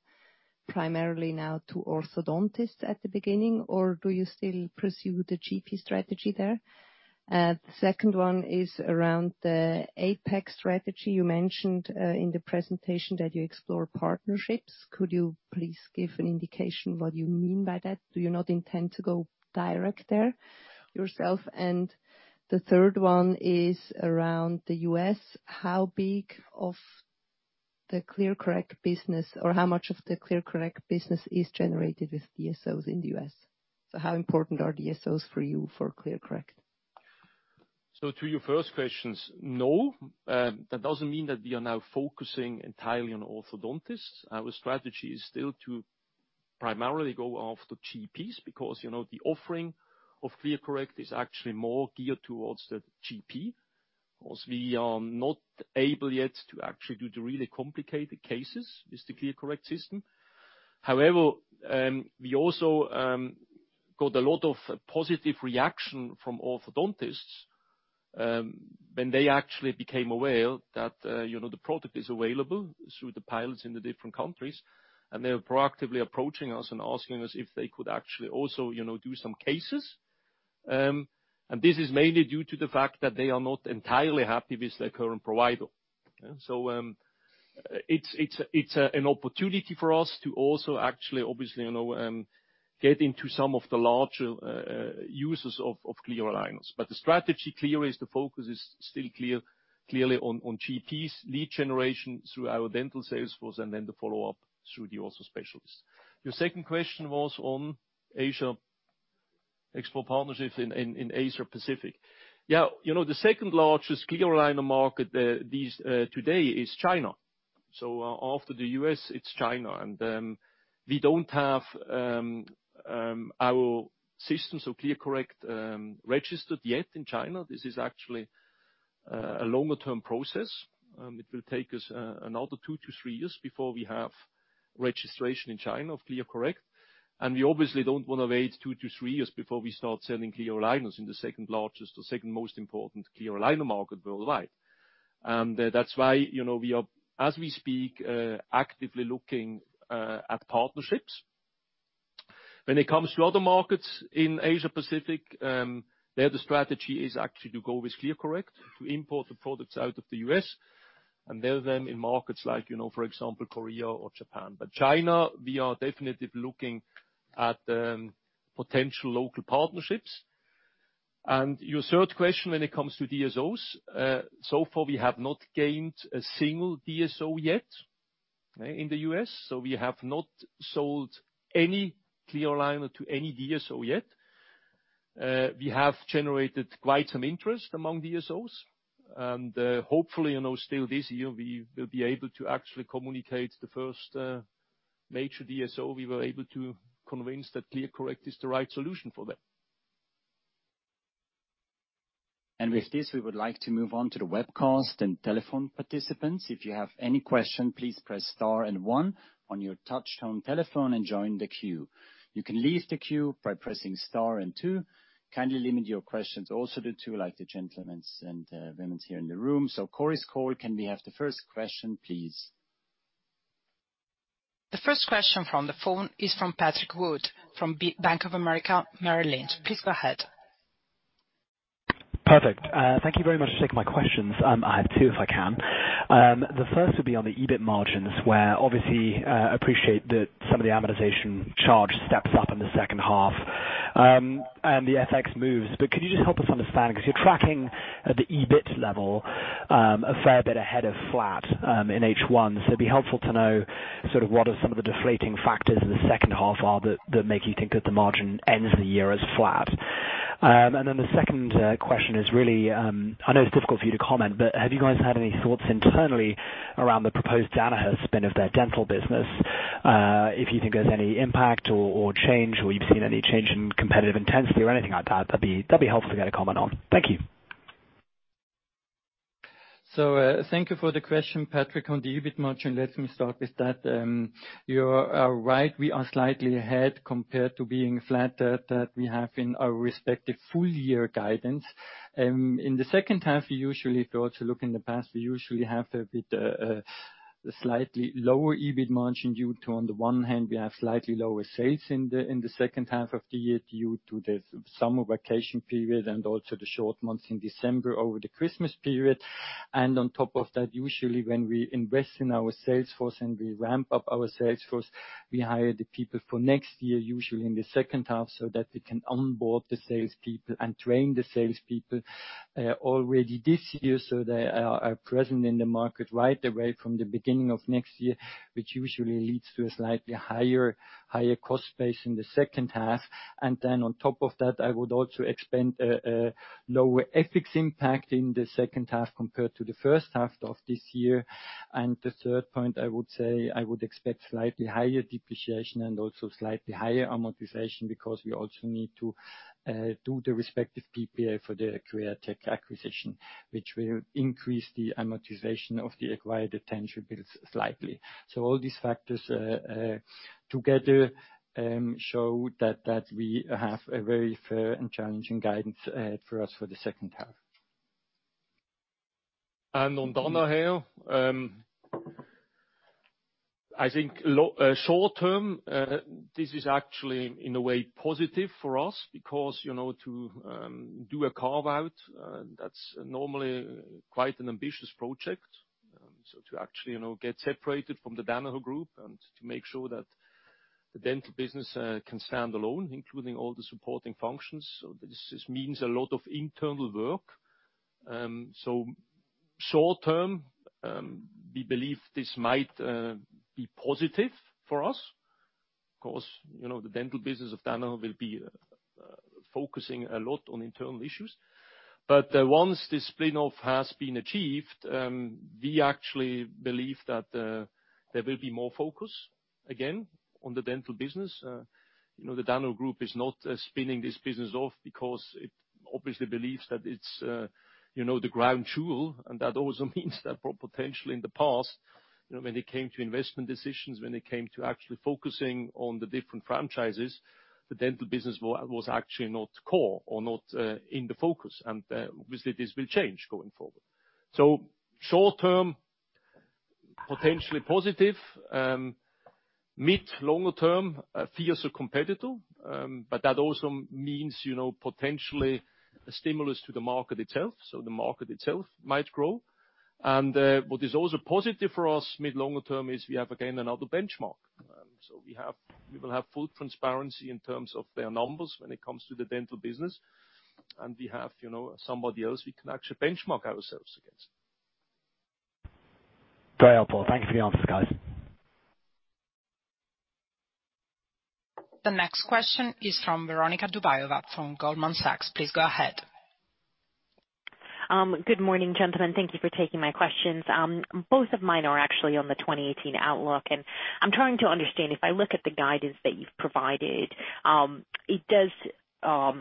primarily now to orthodontists at the beginning, or do you still pursue the GP strategy there? The second one is around the APAC strategy. You mentioned in the presentation that you explore partnerships. Could you please give an indication what you mean by that? Do you not intend to go direct there yourself? The third one is around the U.S. How big of the ClearCorrect business or how much of the ClearCorrect business is generated with DSOs in the U.S.? How important are DSOs for you for ClearCorrect? To your first questions, no. That doesn't mean that we are now focusing entirely on orthodontists. Our strategy is still to primarily go after GPs because the offering of ClearCorrect is actually more geared towards the GP, as we are not able yet to actually do the really complicated cases with the ClearCorrect system. However, we also got a lot of positive reaction from orthodontists, when they actually became aware that the product is available through the pilots in the different countries, and they were proactively approaching us and asking us if they could actually also do some cases. This is mainly due to the fact that they are not entirely happy with their current provider. It's an opportunity for us to also actually obviously, get into some of the larger users of clear aligners. The strategy clear is the focus is still clearly on GPs, lead generation through our dental sales force, and then the follow-up through the also specialists. Your second question was on Asia-- explore partnerships in Asia Pacific. Yeah, the second largest clear aligner market today is China. After the U.S., it's China. We don't have our system, so ClearCorrect, registered yet in China. This is actually a longer-term process. It will take us another two to three years before we have registration in China of ClearCorrect. We obviously don't want to wait two to three years before we start selling clear aligners in the second largest or second most important clear aligner market worldwide. That's why we are, as we speak, actively looking at partnerships. When it comes to other markets in Asia Pacific, there the strategy is actually to go with ClearCorrect, to import the products out of the U.S. and sell them in markets like, for example, Korea or Japan. China, we are definitely looking at potential local partnerships. Your third question when it comes to DSOs, so far we have not gained a single DSO yet in the U.S. We have not sold any clear aligner to any DSO yet. We have generated quite some interest among DSOs. Hopefully, still this year, we will be able to actually communicate the first major DSO we were able to convince that ClearCorrect is the right solution for them. With this, we would like to move on to the webcast and telephone participants. If you have any question, please press star and one on your touchtone telephone and join the queue. You can leave the queue by pressing star and two. Kindly limit your questions also to two, like the gentlemen and women here in the room. Chorus Call, can we have the first question, please? The first question from the phone is from Patrick Wood, from Bank of America Merrill Lynch. Please go ahead. Perfect. Thank you very much for taking my questions. I have two, if I can. The first would be on the EBIT margins, where obviously, appreciate that some of the amortization charge steps up in the second half, and the FX moves. Could you just help us understand, because you're tracking at the EBIT level, a fair bit ahead of flat, in H1. It'd be helpful to know what are some of the deflating factors in the second half are that make you think that the margin ends the year as flat. The second question is really, I know it's difficult for you to comment, but have you guys had any thoughts internally around the proposed Danaher spin of their dental business? If you think there's any impact or change, or you've seen any change in competitive intensity or anything like that'd be helpful to get a comment on. Thank you. Thank you for the question, Patrick, on the EBIT margin. Let me start with that. You are right, we are slightly ahead compared to being flat that we have in our respective full-year guidance. In the second half, if you also look in the past, we usually have a bit slightly lower EBIT margin due to, on the one hand, we have slightly lower sales in the second half of the year due to the summer vacation period and also the short months in December over the Christmas period. On top of that, usually when we invest in our sales force and we ramp up our sales force, we hire the people for next year, usually in the second half, so that we can onboard the salespeople and train the salespeople already this year, so they are present in the market right away from the beginning of next year, which usually leads to a slightly higher cost base in the second half. On top of that, I would also expect a lower EBIT impact in the second half compared to the first half of this year. The third point, I would say, I would expect slightly higher depreciation and also slightly higher amortization because we also need to do the respective PPA for the Createch acquisition, which will increase the amortization of the acquired intangibles slightly. All these factors together show that we have a very fair and challenging guidance for us for the second half. On Danaher, I think short term, this is actually in a way positive for us because to do a carve-out, that's normally quite an ambitious project. To actually get separated from the Danaher Group and to make sure that the dental business can stand alone, including all the supporting functions, this means a lot of internal work. Short term, we believe this might be positive for us. Of course, the dental business of Danaher will be focusing a lot on internal issues. Once this spin-off has been achieved, we actually believe that there will be more focus again on the dental business. The Danaher Group is not spinning this business off because it obviously believes that it's the crown jewel. That also means that potentially in the past, when it came to investment decisions, when it came to actually focusing on the different franchises, the dental business was actually not core or not in the focus. Obviously, this will change going forward. Short term, potentially positive. Mid, longer term, fears are competitive. That also means potentially a stimulus to the market itself. The market itself might grow. What is also positive for us mid, longer term is we have again another benchmark. We will have full transparency in terms of their numbers when it comes to the dental business. We have somebody else we can actually benchmark ourselves against. Very helpful. Thank you for the answers, guys. The next question is from Veronika Dubajova from Goldman Sachs. Please go ahead. Good morning, gentlemen. Thank you for taking my questions. Both of mine are actually on the 2018 outlook. I'm trying to understand, if I look at the guidance that you've provided, it does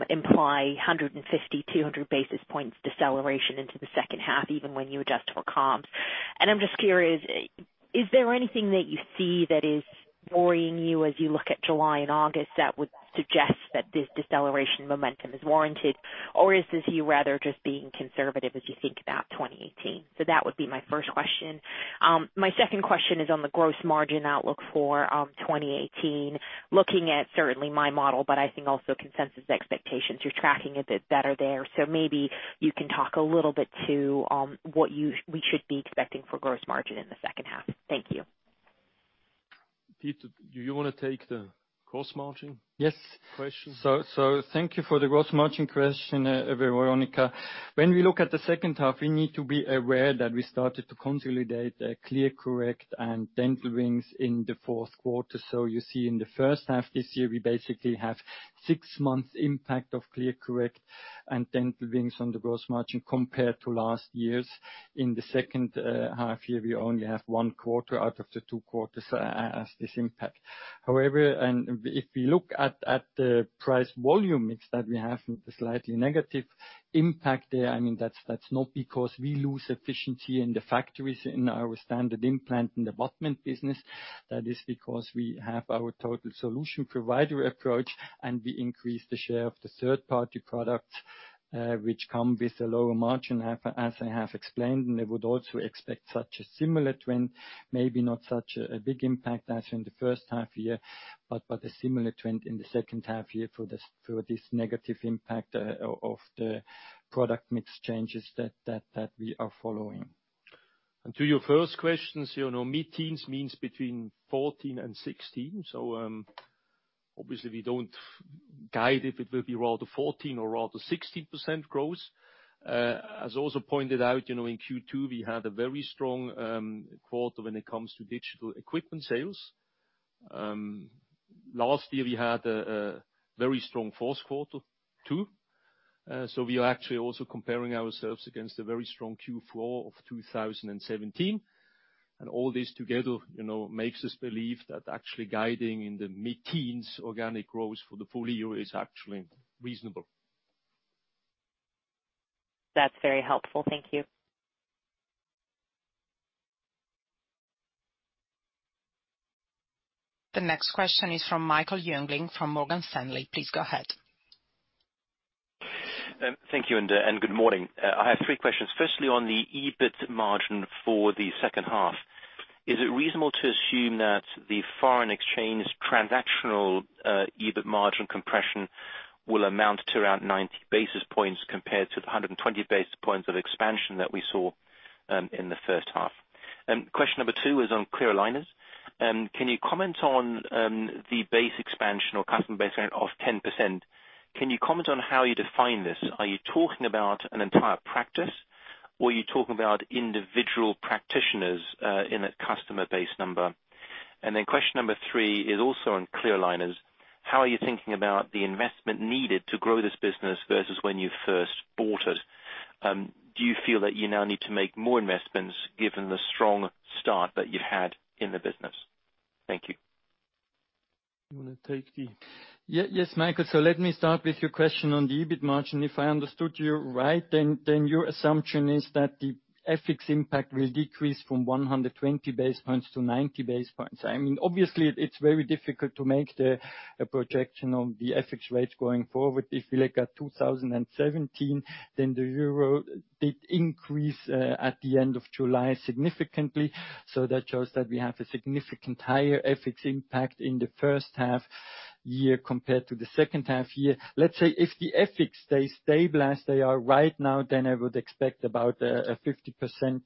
imply 150, 200 basis points deceleration into the second half, even when you adjust for comps. I'm just curious, is there anything that you see that is worrying you as you look at July and August that would suggest that this deceleration momentum is warranted? Is this you rather just being conservative as you think about 2018? That would be my first question. My second question is on the gross margin outlook for 2018. Looking at certainly my model, I think also consensus expectations, you're tracking a bit better there. Maybe you can talk a little bit to what we should be expecting for gross margin in the second half. Thank you. Peter, do you want to take the gross margin- Yes question? Thank you for the gross margin question, Veronika. When we look at the second half, we need to be aware that we started to consolidate ClearCorrect and Dental Wings in the fourth quarter. You see in the first half this year, we basically have 6 months impact of ClearCorrect and Dental Wings on the gross margin compared to last year's. In the second half year, we only have one quarter out of the two quarters as this impact. However, if we look at the price volume, it's that we have a slightly negative impact there. That's not because we lose efficiency in the factories, in our standard implant and abutment business. That is because we have our total solution provider approach. We increase the share of the third-party product, which come with a lower margin, as I have explained. I would also expect such a similar trend, maybe not such a big impact as in the first half year, but a similar trend in the second half year for this negative impact of the product mix changes that we are following. To your first questions, mid-teens means between 14 and 16. Obviously, we don't guide if it will be rather 14% or rather 16% growth. As also pointed out, in Q2, we had a very strong quarter when it comes to digital equipment sales. Last year, we had a very strong fourth quarter too. We are actually also comparing ourselves against a very strong Q4 of 2017. All this together makes us believe that actually guiding in the mid-teens organic growth for the full year is actually reasonable. That's very helpful. Thank you. The next question is from Michael Jüngling, from Morgan Stanley. Please go ahead. Thank you. Good morning. I have 3 questions. Firstly, on the EBIT margin for the second half. Is it reasonable to assume that the foreign exchange transactional EBIT margin compression will amount to around 90 basis points compared to the 120 basis points of expansion that we saw in the first half? Question number 2 is on clear aligners. Can you comment on the base expansion or customer base of 10%? Can you comment on how you define this? Are you talking about an entire practice, or are you talking about individual practitioners in a customer base number? Question number 3 is also on clear aligners. How are you thinking about the investment needed to grow this business versus when you first bought it? Do you feel that you now need to make more investments given the strong start that you've had in the business? Thank you. You want to take the- Yes, Michael. Let me start with your question on the EBIT margin. If I understood you right, your assumption is that the FX impact will decrease from 120 basis points to 90 basis points. Obviously it's very difficult to make the projection of the FX rates going forward. If we look at 2017, the EUR did increase at the end of July significantly. That shows that we have a significant higher FX impact in the first half year compared to the second half year. Let's say if the FX stay stable as they are right now, I would expect about a 50%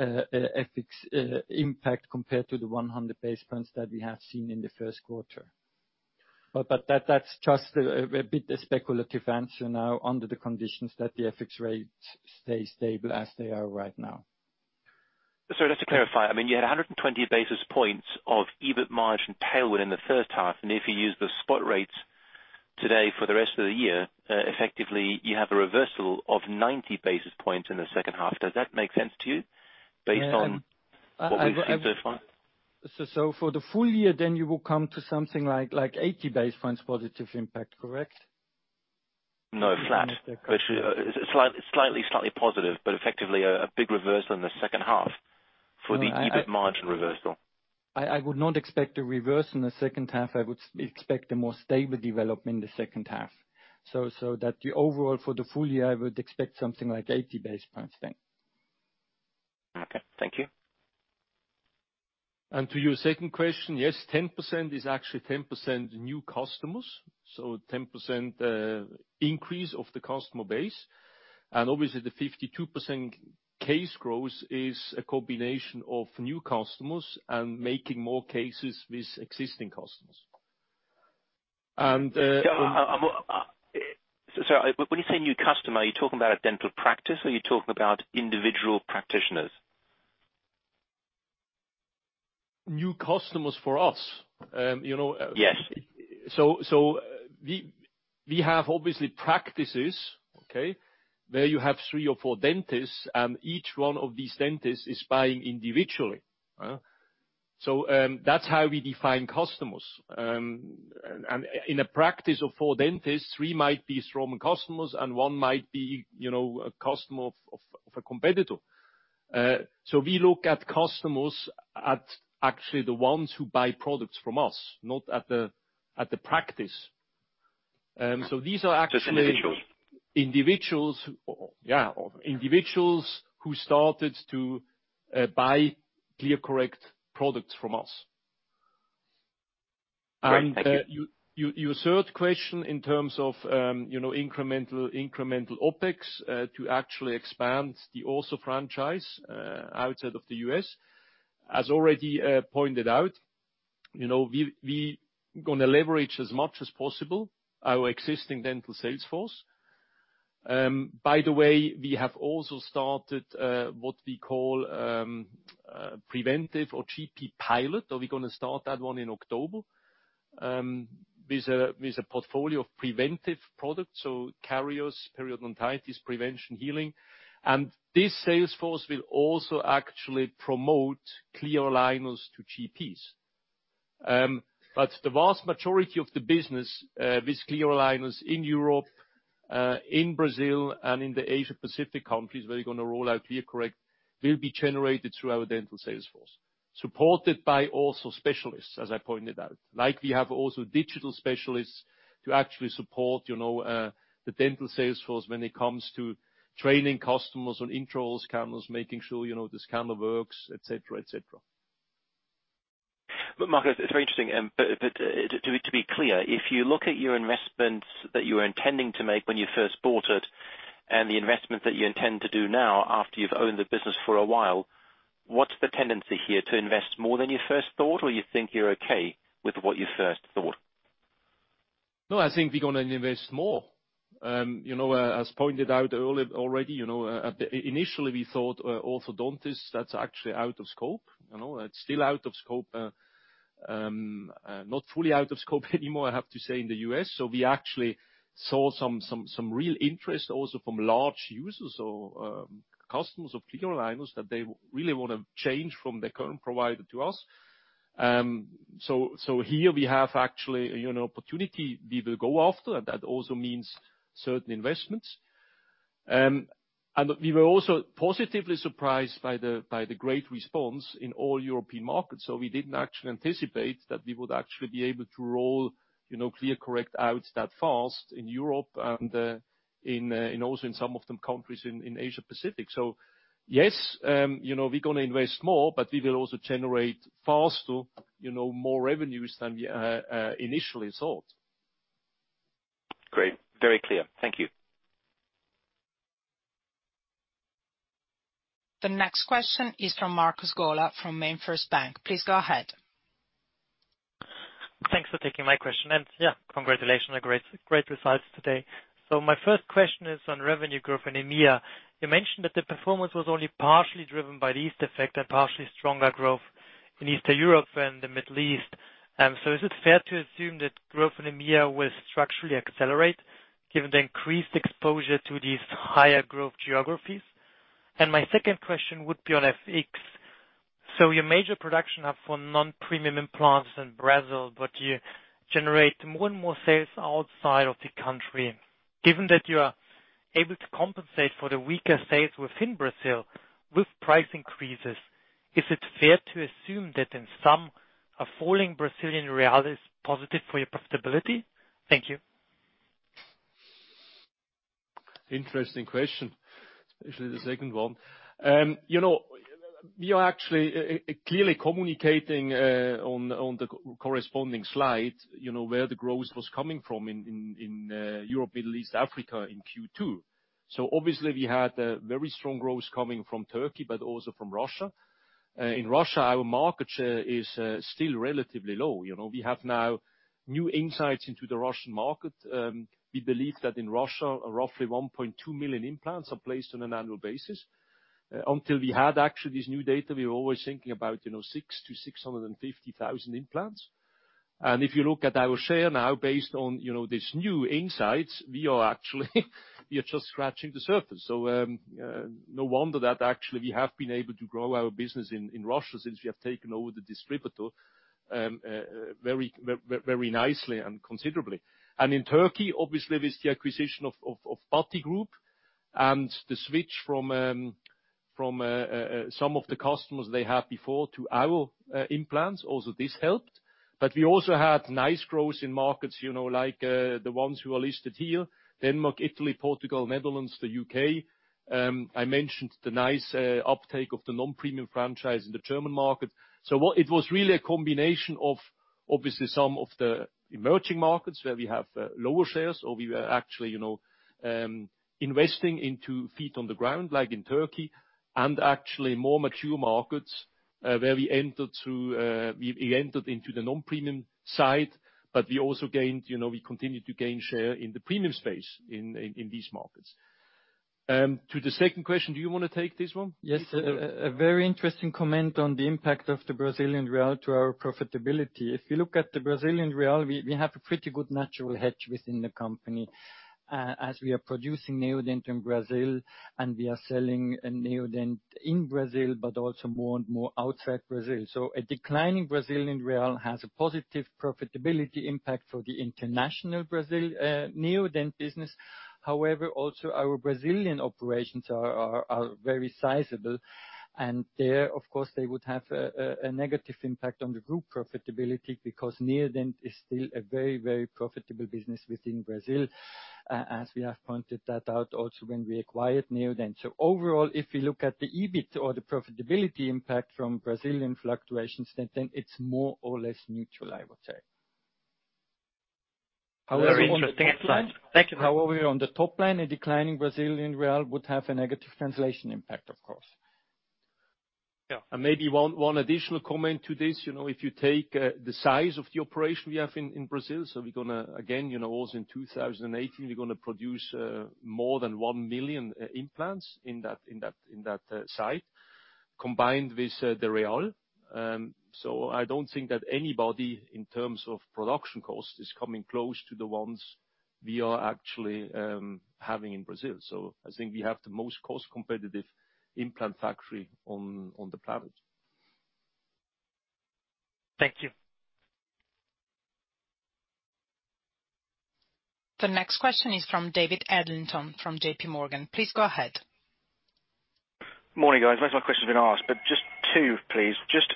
FX impact compared to the 100 basis points that we have seen in the first quarter. That's just a bit speculative answer now under the conditions that the FX rates stay stable as they are right now. Sorry, just to clarify, you had 120 basis points of EBIT margin tailwind in the first half. If you use the spot rates today for the rest of the year, effectively you have a reversal of 90 basis points in the second half. Does that make sense to you based on- Yeah. What we've seen so far? For the full year then you will come to something like 80 basis points positive impact, correct? No, flat. Slightly positive, but effectively a big reverse in the second half for the EBIT margin reversal. I would not expect a reverse in the second half. I would expect a more stable development in the second half. Overall for the full year, I would expect something like 80 basis points then. Okay. Thank you. To your second question, yes, 10% is actually 10% new customers. 10% increase of the customer base. Obviously the 52% case growth is a combination of new customers and making more cases with existing customers. Sorry, when you say new customer, are you talking about a dental practice or are you talking about individual practitioners? New customers for us. Yes. We have obviously practices, okay? Where you have three or four dentists, and each one of these dentists is buying individually. That's how we define customers. In a practice of four dentists, three might be Straumann customers, and one might be a customer of a competitor. We look at customers at actually the ones who buy products from us, not at the practice. These are Just individuals. Individuals, yeah. Individuals who started to buy ClearCorrect products from us. Your third question in terms of incremental OpEx to actually expand the aligner franchise outside of the U.S., as already pointed out, we going to leverage as much as possible our existing dental sales force. By the way, we have also started what we call preventive or GP pilot, or we're going to start that one in October, with a portfolio of preventive products, so caries, periodontitis prevention, healing. This sales force will also actually promote clear aligners to GPs. The vast majority of the business with clear aligners in Europe, in Brazil, and in the Asia Pacific countries where they're going to roll out ClearCorrect, will be generated through our dental sales force, supported by also specialists, as I pointed out. We have also digital specialists to actually support the dental sales force when it comes to training customers on intraoral scanners, making sure this scanner works, et cetera. Marco, it's very interesting. To be clear, if you look at your investments that you were intending to make when you first bought it, and the investment that you intend to do now after you've owned the business for a while, what's the tendency here? To invest more than you first thought, or you think you're okay with what you first thought? I think we're going to invest more. As pointed out already, initially we thought orthodontists, that's actually out of scope. It's still out of scope. Not fully out of scope anymore, I have to say, in the U.S. We actually saw some real interest also from large users or customers of clear aligners that they really want to change from their current provider to us. Here we have actually an opportunity we will go after, and that also means certain investments. We were also positively surprised by the great response in all European markets. We didn't actually anticipate that we would actually be able to roll ClearCorrect out that fast in Europe and also in some of the countries in Asia Pacific. Yes, we're going to invest more. We will also generate faster more revenues than we initially thought. Great. Very clear. Thank you. The next question is from Markus Golla from MainFirst Bank. Please go ahead. Thanks for taking my question. Yeah, congratulations, great results today. My first question is on revenue growth in EMEA. You mentioned that the performance was only partially driven by the East effect and partially stronger growth in Eastern Europe and the Middle East. Is it fair to assume that growth in EMEA will structurally accelerate given the increased exposure to these higher growth geographies? My second question would be on FX. Your major production hub for non-premium implants is in Brazil, but you generate more and more sales outside of the country. Given that you are able to compensate for the weaker sales within Brazil with price increases, is it fair to assume that in some, a falling Brazilian real is positive for your profitability? Thank you. Interesting question, especially the second one. We are actually clearly communicating on the corresponding slide where the growth was coming from in Europe, Middle East, Africa in Q2. Obviously we had a very strong growth coming from Turkey, but also from Russia. In Russia, our market share is still relatively low. We have now new insights into the Russian market. We believe that in Russia, roughly 1.2 million implants are placed on an annual basis. Until we had actually this new data, we were always thinking about six to 650,000 implants. If you look at our share now based on these new insights, we are actually just scratching the surface. No wonder that actually we have been able to grow our business in Russia since we have taken over the distributor very nicely and considerably. In Turkey, obviously with the acquisition of Batigroup and the switch from some of the customers they had before to our implants, also this helped. We also had nice growth in markets like the ones who are listed here, Denmark, Italy, Portugal, Netherlands, the U.K. I mentioned the nice uptake of the non-premium franchise in the German market. It was really a combination of obviously some of the emerging markets where we have lower shares or we were actually investing into feet on the ground, like in Turkey, and actually more mature markets where we entered into the non-premium side, but we also continued to gain share in the premium space in these markets. To the second question, do you want to take this one? A very interesting comment on the impact of the Brazilian real to our profitability. If you look at the Brazilian real, we have a pretty good natural hedge within the company, as we are producing Neodent in Brazil and we are selling Neodent in Brazil, but also more and more outside Brazil. A decline in Brazilian real has a positive profitability impact for the international Neodent business. However, also our Brazilian operations are very sizable, and there, of course, they would have a negative impact on the group profitability because Neodent is still a very, very profitable business within Brazil. As we have pointed that out also when we acquired Neodent. Overall, if we look at the EBIT or the profitability impact from Brazilian fluctuations, then it's more or less neutral, I would say. Very interesting insight. Thank you. However, on the top line, a decline in Brazilian real would have a negative translation impact, of course. Yeah. Maybe one additional comment to this. If you take the size of the operation we have in Brazil, we're going to, again, also in 2018, we're going to produce more than 1 million implants in that site, combined with the real. I don't think that anybody, in terms of production cost, is coming close to the ones we are actually having in Brazil. I think we have the most cost competitive implant factory on the planet. Thank you. The next question is from David Adlington from J.P. Morgan. Please go ahead. Morning, guys. Just two, please. Just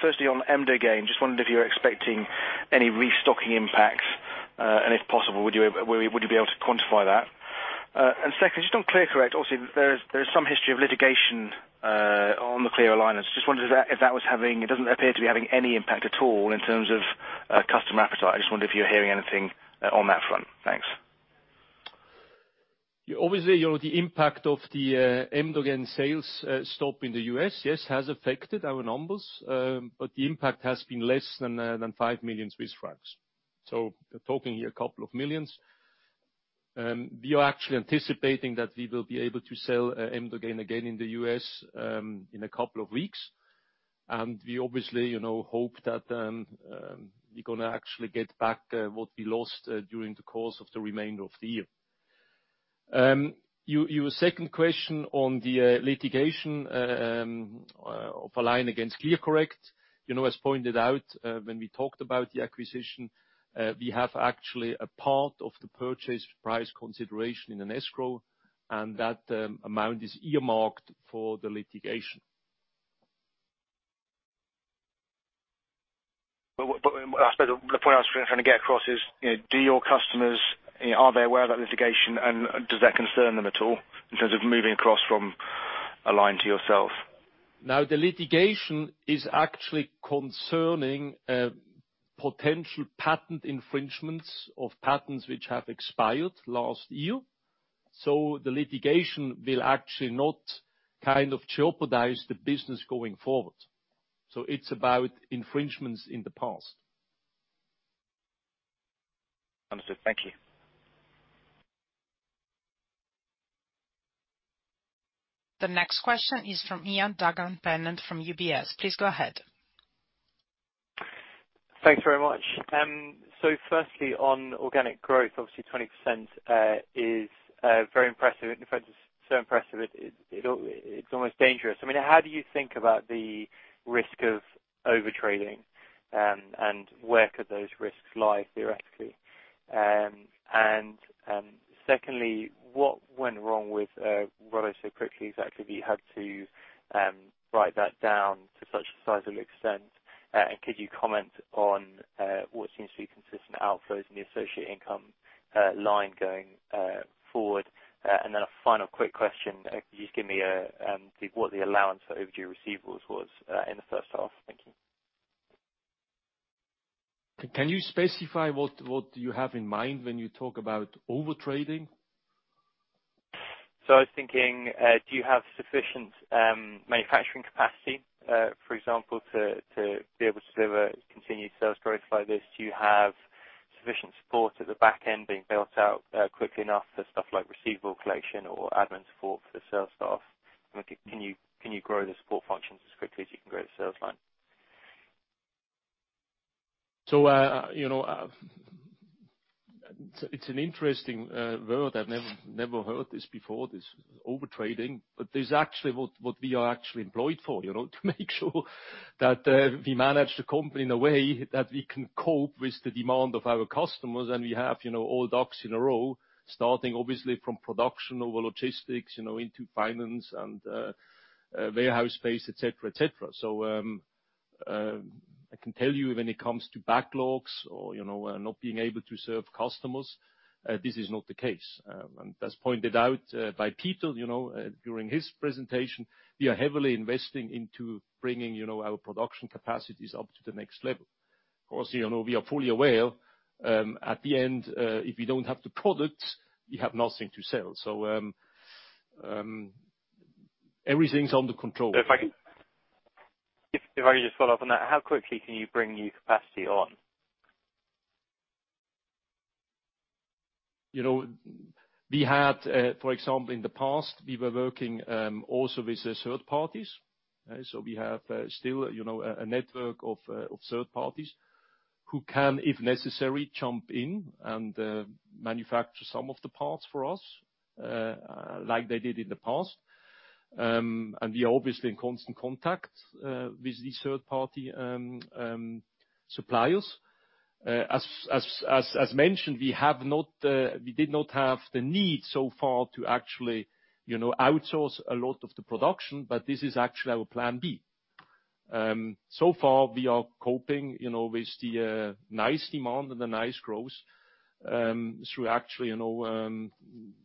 firstly on Emdogain, just wondering if you're expecting any restocking impacts, and if possible, would you be able to quantify that? Secondly, just on ClearCorrect, obviously there is some history of litigation on the clear aligners. Just wondered if that was having-- it doesn't appear to be having any impact at all in terms of customer appetite. I just wonder if you're hearing anything on that front. Thanks. Obviously, the impact of the Emdogain sales stop in the U.S., yes, has affected our numbers. The impact has been less than 5 million Swiss francs. We're talking here a couple of millions. We are actually anticipating that we will be able to sell Emdogain again in the U.S. in a couple of weeks, and we obviously hope that we're going to actually get back what we lost during the course of the remainder of the year. Your second question on the litigation of Align against ClearCorrect. As pointed out when we talked about the acquisition, we have actually a part of the purchase price consideration in an escrow, and that amount is earmarked for the litigation. I suppose the point I was trying to get across is, do your customers, are they aware of that litigation, and does that concern them at all in terms of moving across from Align to yourself? The litigation is actually concerning potential patent infringements of patents which have expired last year. The litigation will actually not jeopardize the business going forward. It's about infringements in the past. Understood. Thank you. The next question is from Ian Douglas-Pennant from UBS. Please go ahead. Thanks very much. Firstly, on organic growth, obviously 20% is very impressive. In fact, it's so impressive it's almost dangerous. How do you think about the risk of over-trading, and where could those risks lie, theoretically? Secondly, what went wrong with Rodo so quickly that actually you had to write that down to such a sizable extent? Could you comment on what seems to be consistent outflows in the associate income line going forward? A final quick question. Could you just give me what the allowance for overdue receivables was in the first half? Thank you. Can you specify what you have in mind when you talk about over-trading? I was thinking, do you have sufficient manufacturing capacity, for example, to be able to deliver continued sales growth like this? Do you have sufficient support at the back end being built out quickly enough for stuff like receivable collection or admin support for the sales staff? Can you grow the support functions as quickly as you can grow the sales line? It's an interesting word. I've never heard this before, this over-trading, but this is actually what we are actually employed for. To make sure that we manage the company in a way that we can cope with the demand of our customers. We have all ducks in a row, starting obviously from production over logistics, into finance and warehouse space, et cetera. I can tell you when it comes to backlogs or not being able to serve customers, this is not the case. As pointed out by Peter during his presentation, we are heavily investing into bringing our production capacities up to the next level. Of course, we are fully aware, at the end, if we don't have the product, we have nothing to sell. Everything's under control. If I could just follow up on that, how quickly can you bring new capacity on? We had, for example, in the past, we were working also with third parties. We have still a network of third parties who can, if necessary, jump in and manufacture some of the parts for us, like they did in the past. We are obviously in constant contact with these third-party suppliers. As mentioned, we did not have the need so far to actually outsource a lot of the production, but this is actually our plan B. So far, we are coping with the nice demand and the nice growth through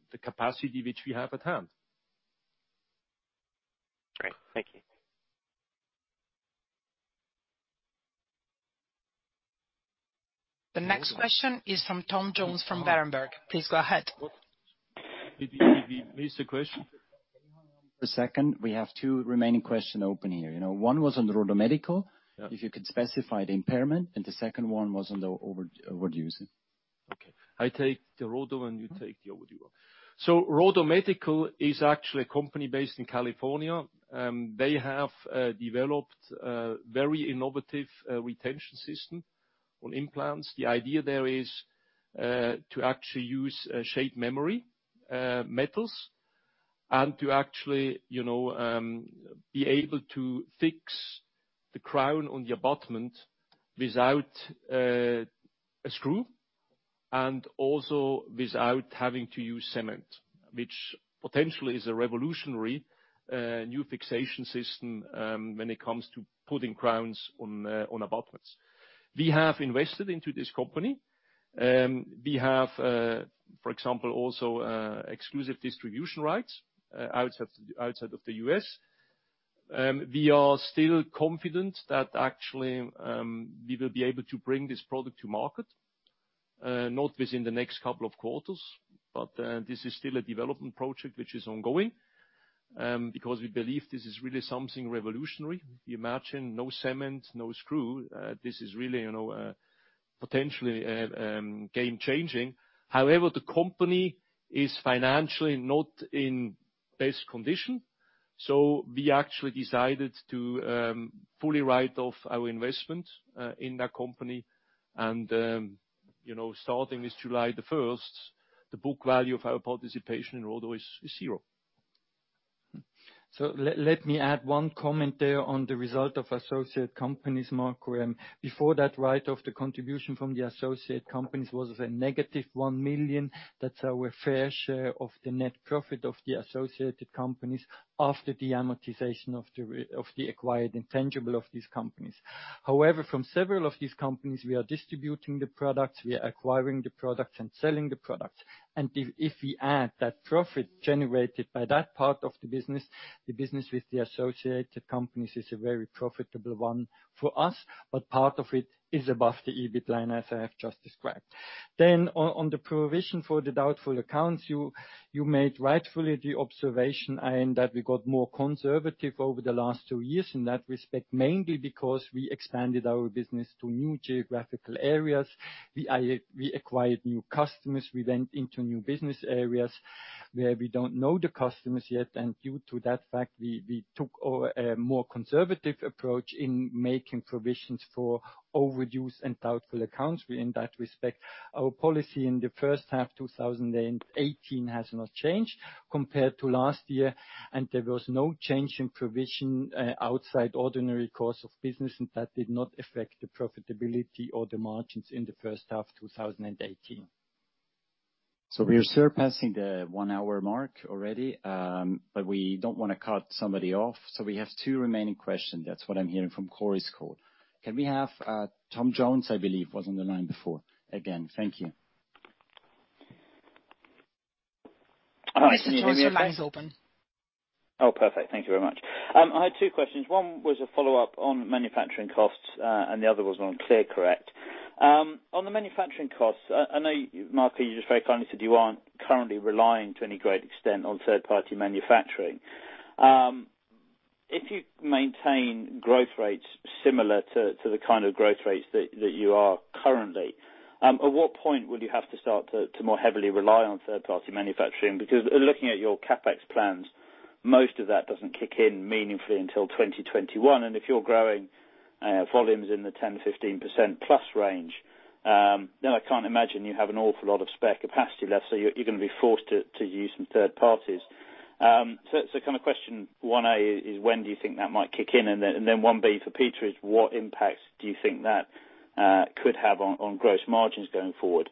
the capacity which we have at hand. Great. Thank you. The next question is from Tom Jones from Berenberg. Please go ahead. What is the question? One second. We have two remaining question open here. One was on the Rodo Medical. Yeah. If you could specify the impairment, the second one was on the overdue. Okay. I take the Rodo, and you take the overdue one. Rodo Medical is actually a company based in California. They have developed a very innovative retention system on implants. The idea there is to actually use shape memory metals and to be able to fix the crown on the abutment without a screw, and also without having to use cement, which potentially is a revolutionary new fixation system when it comes to putting crowns on abutments. We have invested into this company. We have, for example, also exclusive distribution rights outside of the U.S. We are still confident that actually, we will be able to bring this product to market, not within the next couple of quarters, but this is still a development project which is ongoing, because we believe this is really something revolutionary. If you imagine, no cement, no screw, this is really potentially game changing. However, the company is financially not in best condition. We actually decided to fully write off our investment in that company, and starting this July 1st, the book value of our participation in Rodo is zero. Let me add one comment there on the result of associate companies, Marco. Before that write-off, the contribution from the associate companies was a negative 1 million. That's our fair share of the net profit of the associated companies after the amortization of the acquired intangible of these companies. However, from several of these companies, we are distributing the products, we are acquiring the products, and selling the products. If we add that profit generated by that part of the business, the business with the associated companies is a very profitable one for us. Part of it is above the EBIT line, as I have just described. On the provision for the doubtful accounts, you made rightfully the observation in that we got more conservative over the last two years in that respect, mainly because we expanded our business to new geographical areas. We acquired new customers. We went into new business areas where we don't know the customers yet. Due to that fact, we took a more conservative approach in making provisions for overdues and doubtful accounts in that respect. Our policy in the first half 2018 has not changed compared to last year, there was no change in provision outside ordinary course of business, that did not affect the profitability or the margins in the first half 2018. We are surpassing the one-hour mark already, but we don't want to cut somebody off. We have two remaining questions. That's what I'm hearing from Chorus Call. Can we have Tom Jones, I believe, was on the line before, again. Thank you. Mr. Jones, your line is open. Perfect. Thank you very much. I had two questions. One was a follow-up on manufacturing costs. The other was on ClearCorrect. On the manufacturing costs, I know, Marco, you just very kindly said you aren't currently relying to any great extent on third-party manufacturing. If you maintain growth rates similar to the kind of growth rates that you are currently, at what point will you have to start to more heavily rely on third-party manufacturing? Looking at your CapEx plans, most of that doesn't kick in meaningfully until 2021. If you're growing volumes in the 10% to 15% plus range, I can't imagine you have an awful lot of spare capacity left, so you're going to be forced to use some third parties. Question 1A is when do you think that might kick in? 1B for Peter is what impact do you think that could have on gross margins going forward?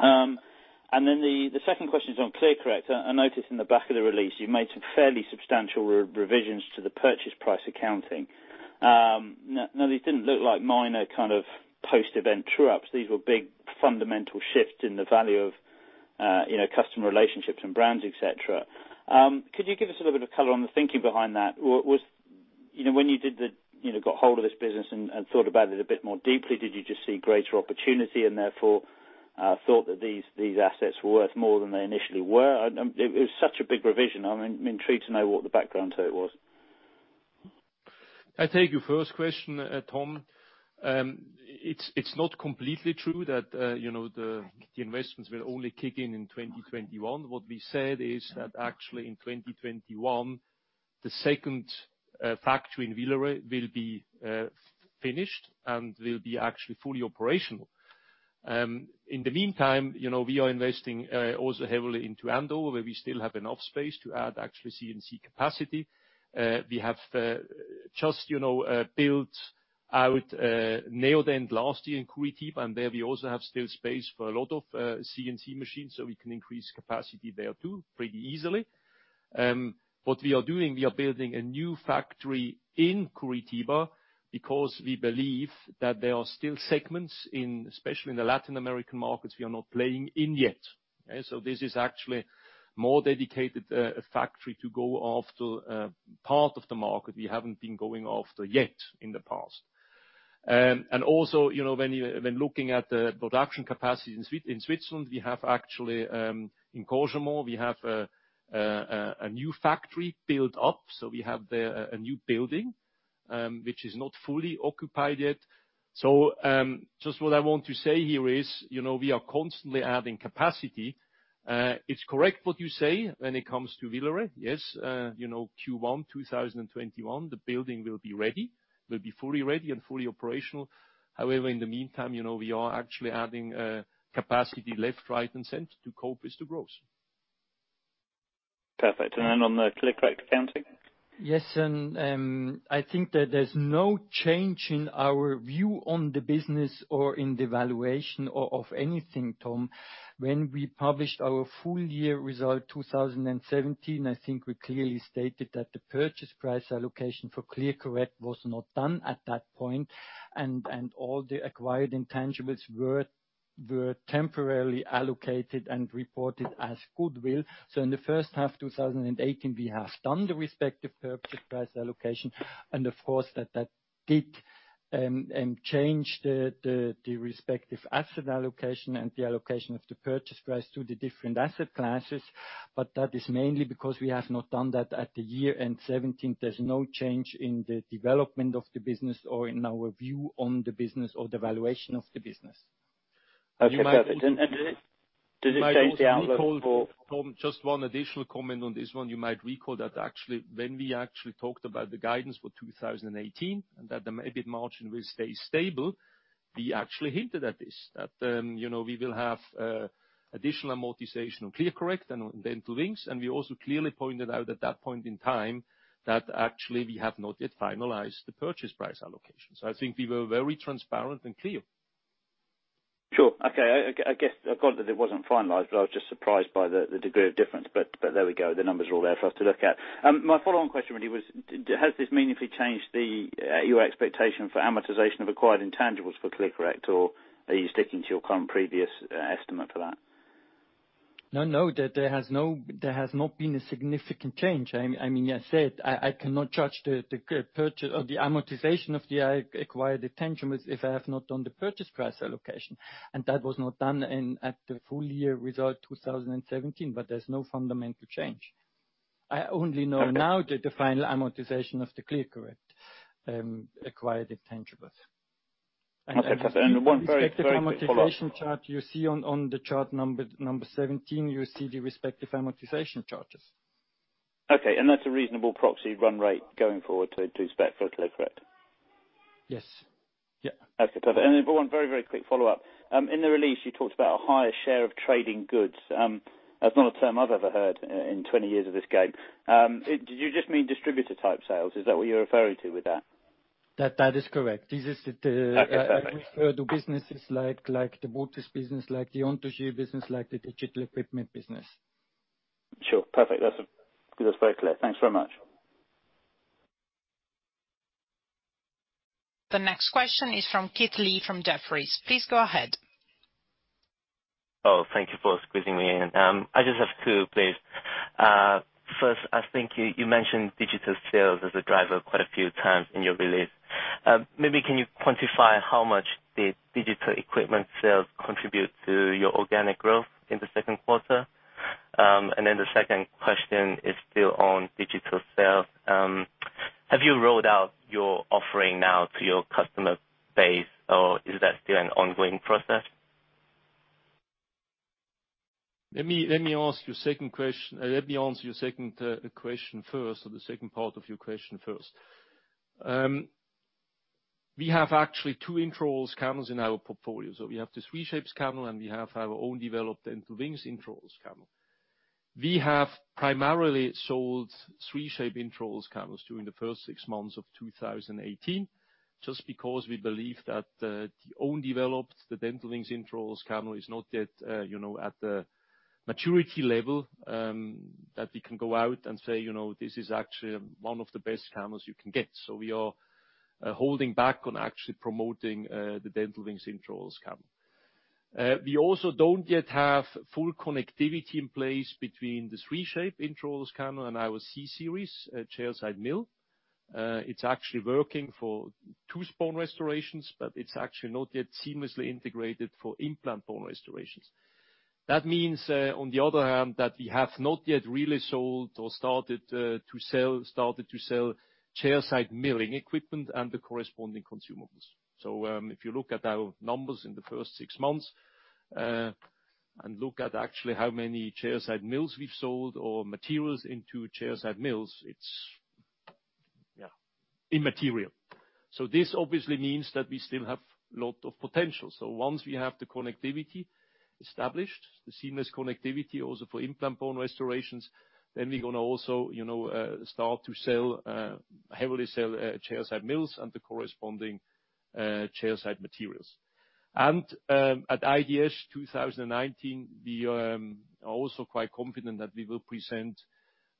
The second question is on ClearCorrect. I noticed in the back of the release you made some fairly substantial revisions to the purchase price accounting. These didn't look like minor post-event true-ups. These were big fundamental shifts in the value of customer relationships and brands, et cetera. Could you give us a little bit of color on the thinking behind that? When you got hold of this business and thought about it a bit more deeply, did you just see greater opportunity and therefore thought that these assets were worth more than they initially were? It was such a big revision. I'm intrigued to know what the background to it was. I take your first question, Tom. It's not completely true that the investments will only kick in in 2021. What we said is that in 2021, the second factory in Villars-sur-Glâne will be finished and will be fully operational. In the meantime, we are investing heavily into Andover, where we still have enough space to add CNC capacity. We have just built in last year in Curitiba, and there we still have space for a lot of CNC machines, so we can increase capacity there too, pretty easily. What we are doing, we are building a new factory in Curitiba because we believe that there are still segments, especially in the Latin American markets, we are not playing in yet. This is a more dedicated factory to go after part of the market we haven't been going after yet in the past. When looking at the production capacity in Switzerland, we have in Cossonay a new factory built up. We have there a new building, which is not fully occupied yet. What I want to say here is, we are constantly adding capacity. It's correct what you say when it comes to Villars-sur-Glâne. Yes, Q1 2021, the building will be ready. Will be fully ready and fully operational. However, in the meantime, we are adding capacity left, right, and center to cope with the growth. Perfect. Then on the ClearCorrect accounting? Yes. I think that there's no change in our view on the business or in the valuation of anything, Tom. When we published our full year result 2017, I think we clearly stated that the purchase price allocation for ClearCorrect was not done at that point, and all the acquired intangibles were temporarily allocated and reported as goodwill. In the first half 2018, we have done the respective purchase price allocation, and of course, that did and changed the respective asset allocation and the allocation of the purchase price to the different asset classes. That is mainly because we have not done that at the year-end 2017. There's no change in the development of the business or in our view on the business or the valuation of the business. Okay, perfect. Does it change the outlook for- Tom, just one additional comment on this one. You might recall that actually, when we actually talked about the guidance for 2018, that the EBIT margin will stay stable, we actually hinted at this. That we will have additional amortization on ClearCorrect and Dental Wings, and we also clearly pointed out at that point in time that actually we have not yet finalized the purchase price allocation. I think we were very transparent and clear. Sure. Okay. I guess I got that it wasn't finalized, I was just surprised by the degree of difference. There we go. The numbers are all there for us to look at. My follow-on question really was, has this meaningfully changed your expectation for amortization of acquired intangibles for ClearCorrect, or are you sticking to your current previous estimate for that? No, there has not been a significant change. I said, I cannot judge the amortization of the acquired intangibles if I have not done the purchase price allocation, and that was not done at the full year result 2017. There's no fundamental change. I only know now the final amortization of the ClearCorrect acquired intangibles. Okay. One very quick follow-up. Respective amortization chart you see on the chart number 17, you see the respective amortization charges. Okay. That's a reasonable proxy run rate going forward to expect for ClearCorrect? Yes. Yeah. Okay, perfect. Then one very quick follow-up. In the release, you talked about a higher share of trading goods. That's not a term I've ever heard in 20 years of this game. Did you just mean distributor type sales? Is that what you're referring to with that? That is correct. This is. Okay, perfect. I refer to businesses like the Motus business, like the Anthogyr business, like the digital equipment business. Sure. Perfect. That's very clear. Thanks very much. The next question is from Kit Lee from Jefferies. Please go ahead. Thank you for squeezing me in. I just have two, please. First, I think you mentioned digital sales as a driver quite a few times in your release. Maybe can you quantify how much the digital equipment sales contribute to your organic growth in the second quarter? Then the second question is still on digital sales. Have you rolled out your offering now to your customer base, or is that still an ongoing process? Let me answer your second question first, or the second part of your question first. We have actually two intraoral scanners in our portfolio. We have the 3Shape scanner, and we have our own developed Dental Wings intraoral scanner. We have primarily sold 3Shape intraoral scanners during the first 6 months of 2018, just because we believe that the own developed, the Dental Wings intraoral scanner is not yet at the maturity level, that we can go out and say, "This is actually one of the best scanners you can get." We are holding back on actually promoting the Dental Wings intraoral scanner. We also don't yet have full connectivity in place between the 3Shape intraoral scanner and our C series, chairside mill. It's actually working for tooth-borne restorations, but it's actually not yet seamlessly integrated for implant-borne restorations. That means, on the other hand, that we have not yet really sold or started to sell chairside milling equipment and the corresponding consumables. If you look at our numbers in the first six months, and look at actually how many chairside mills we've sold or materials into chairside mills, it's immaterial. This obviously means that we still have lot of potential. Once we have the connectivity established, the seamless connectivity also for implant bone restorations, we're gonna also start to heavily sell chairside mills and the corresponding chairside materials. At IDS 2019, we are also quite confident that we will present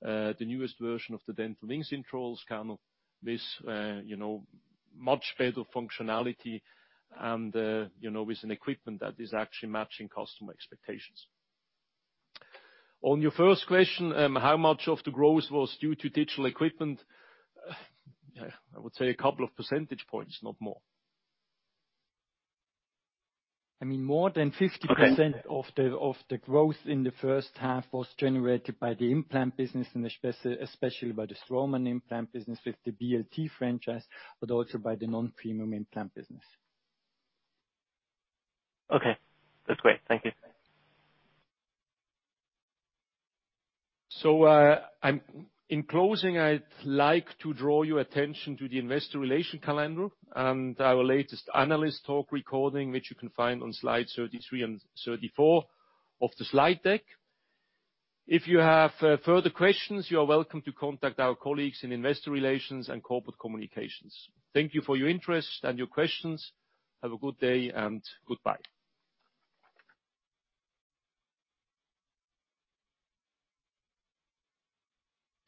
the newest version of the Dental Wings intraoral scanner with much better functionality and with an equipment that is actually matching customer expectations. On your first question, how much of the growth was due to digital equipment? I would say a couple of percentage points, not more. More than 50%. Okay of the growth in the first half was generated by the implant business, and especially by the Straumann implant business with the BLT franchise, but also by the non-premium implant business. Okay. That's great. Thank you. In closing, I'd like to draw your attention to the investor relations calendar and our latest analyst talk recording, which you can find on slide 33 and 34 of the slide deck. If you have further questions, you are welcome to contact our colleagues in investor relations and corporate communications. Thank you for your interest and your questions. Have a good day, and goodbye.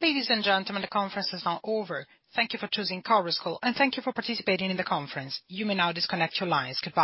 Ladies and gentlemen, the conference is now over. Thank you for choosing Chorus Call, and thank you for participating in the conference. You may now disconnect your lines. Goodbye.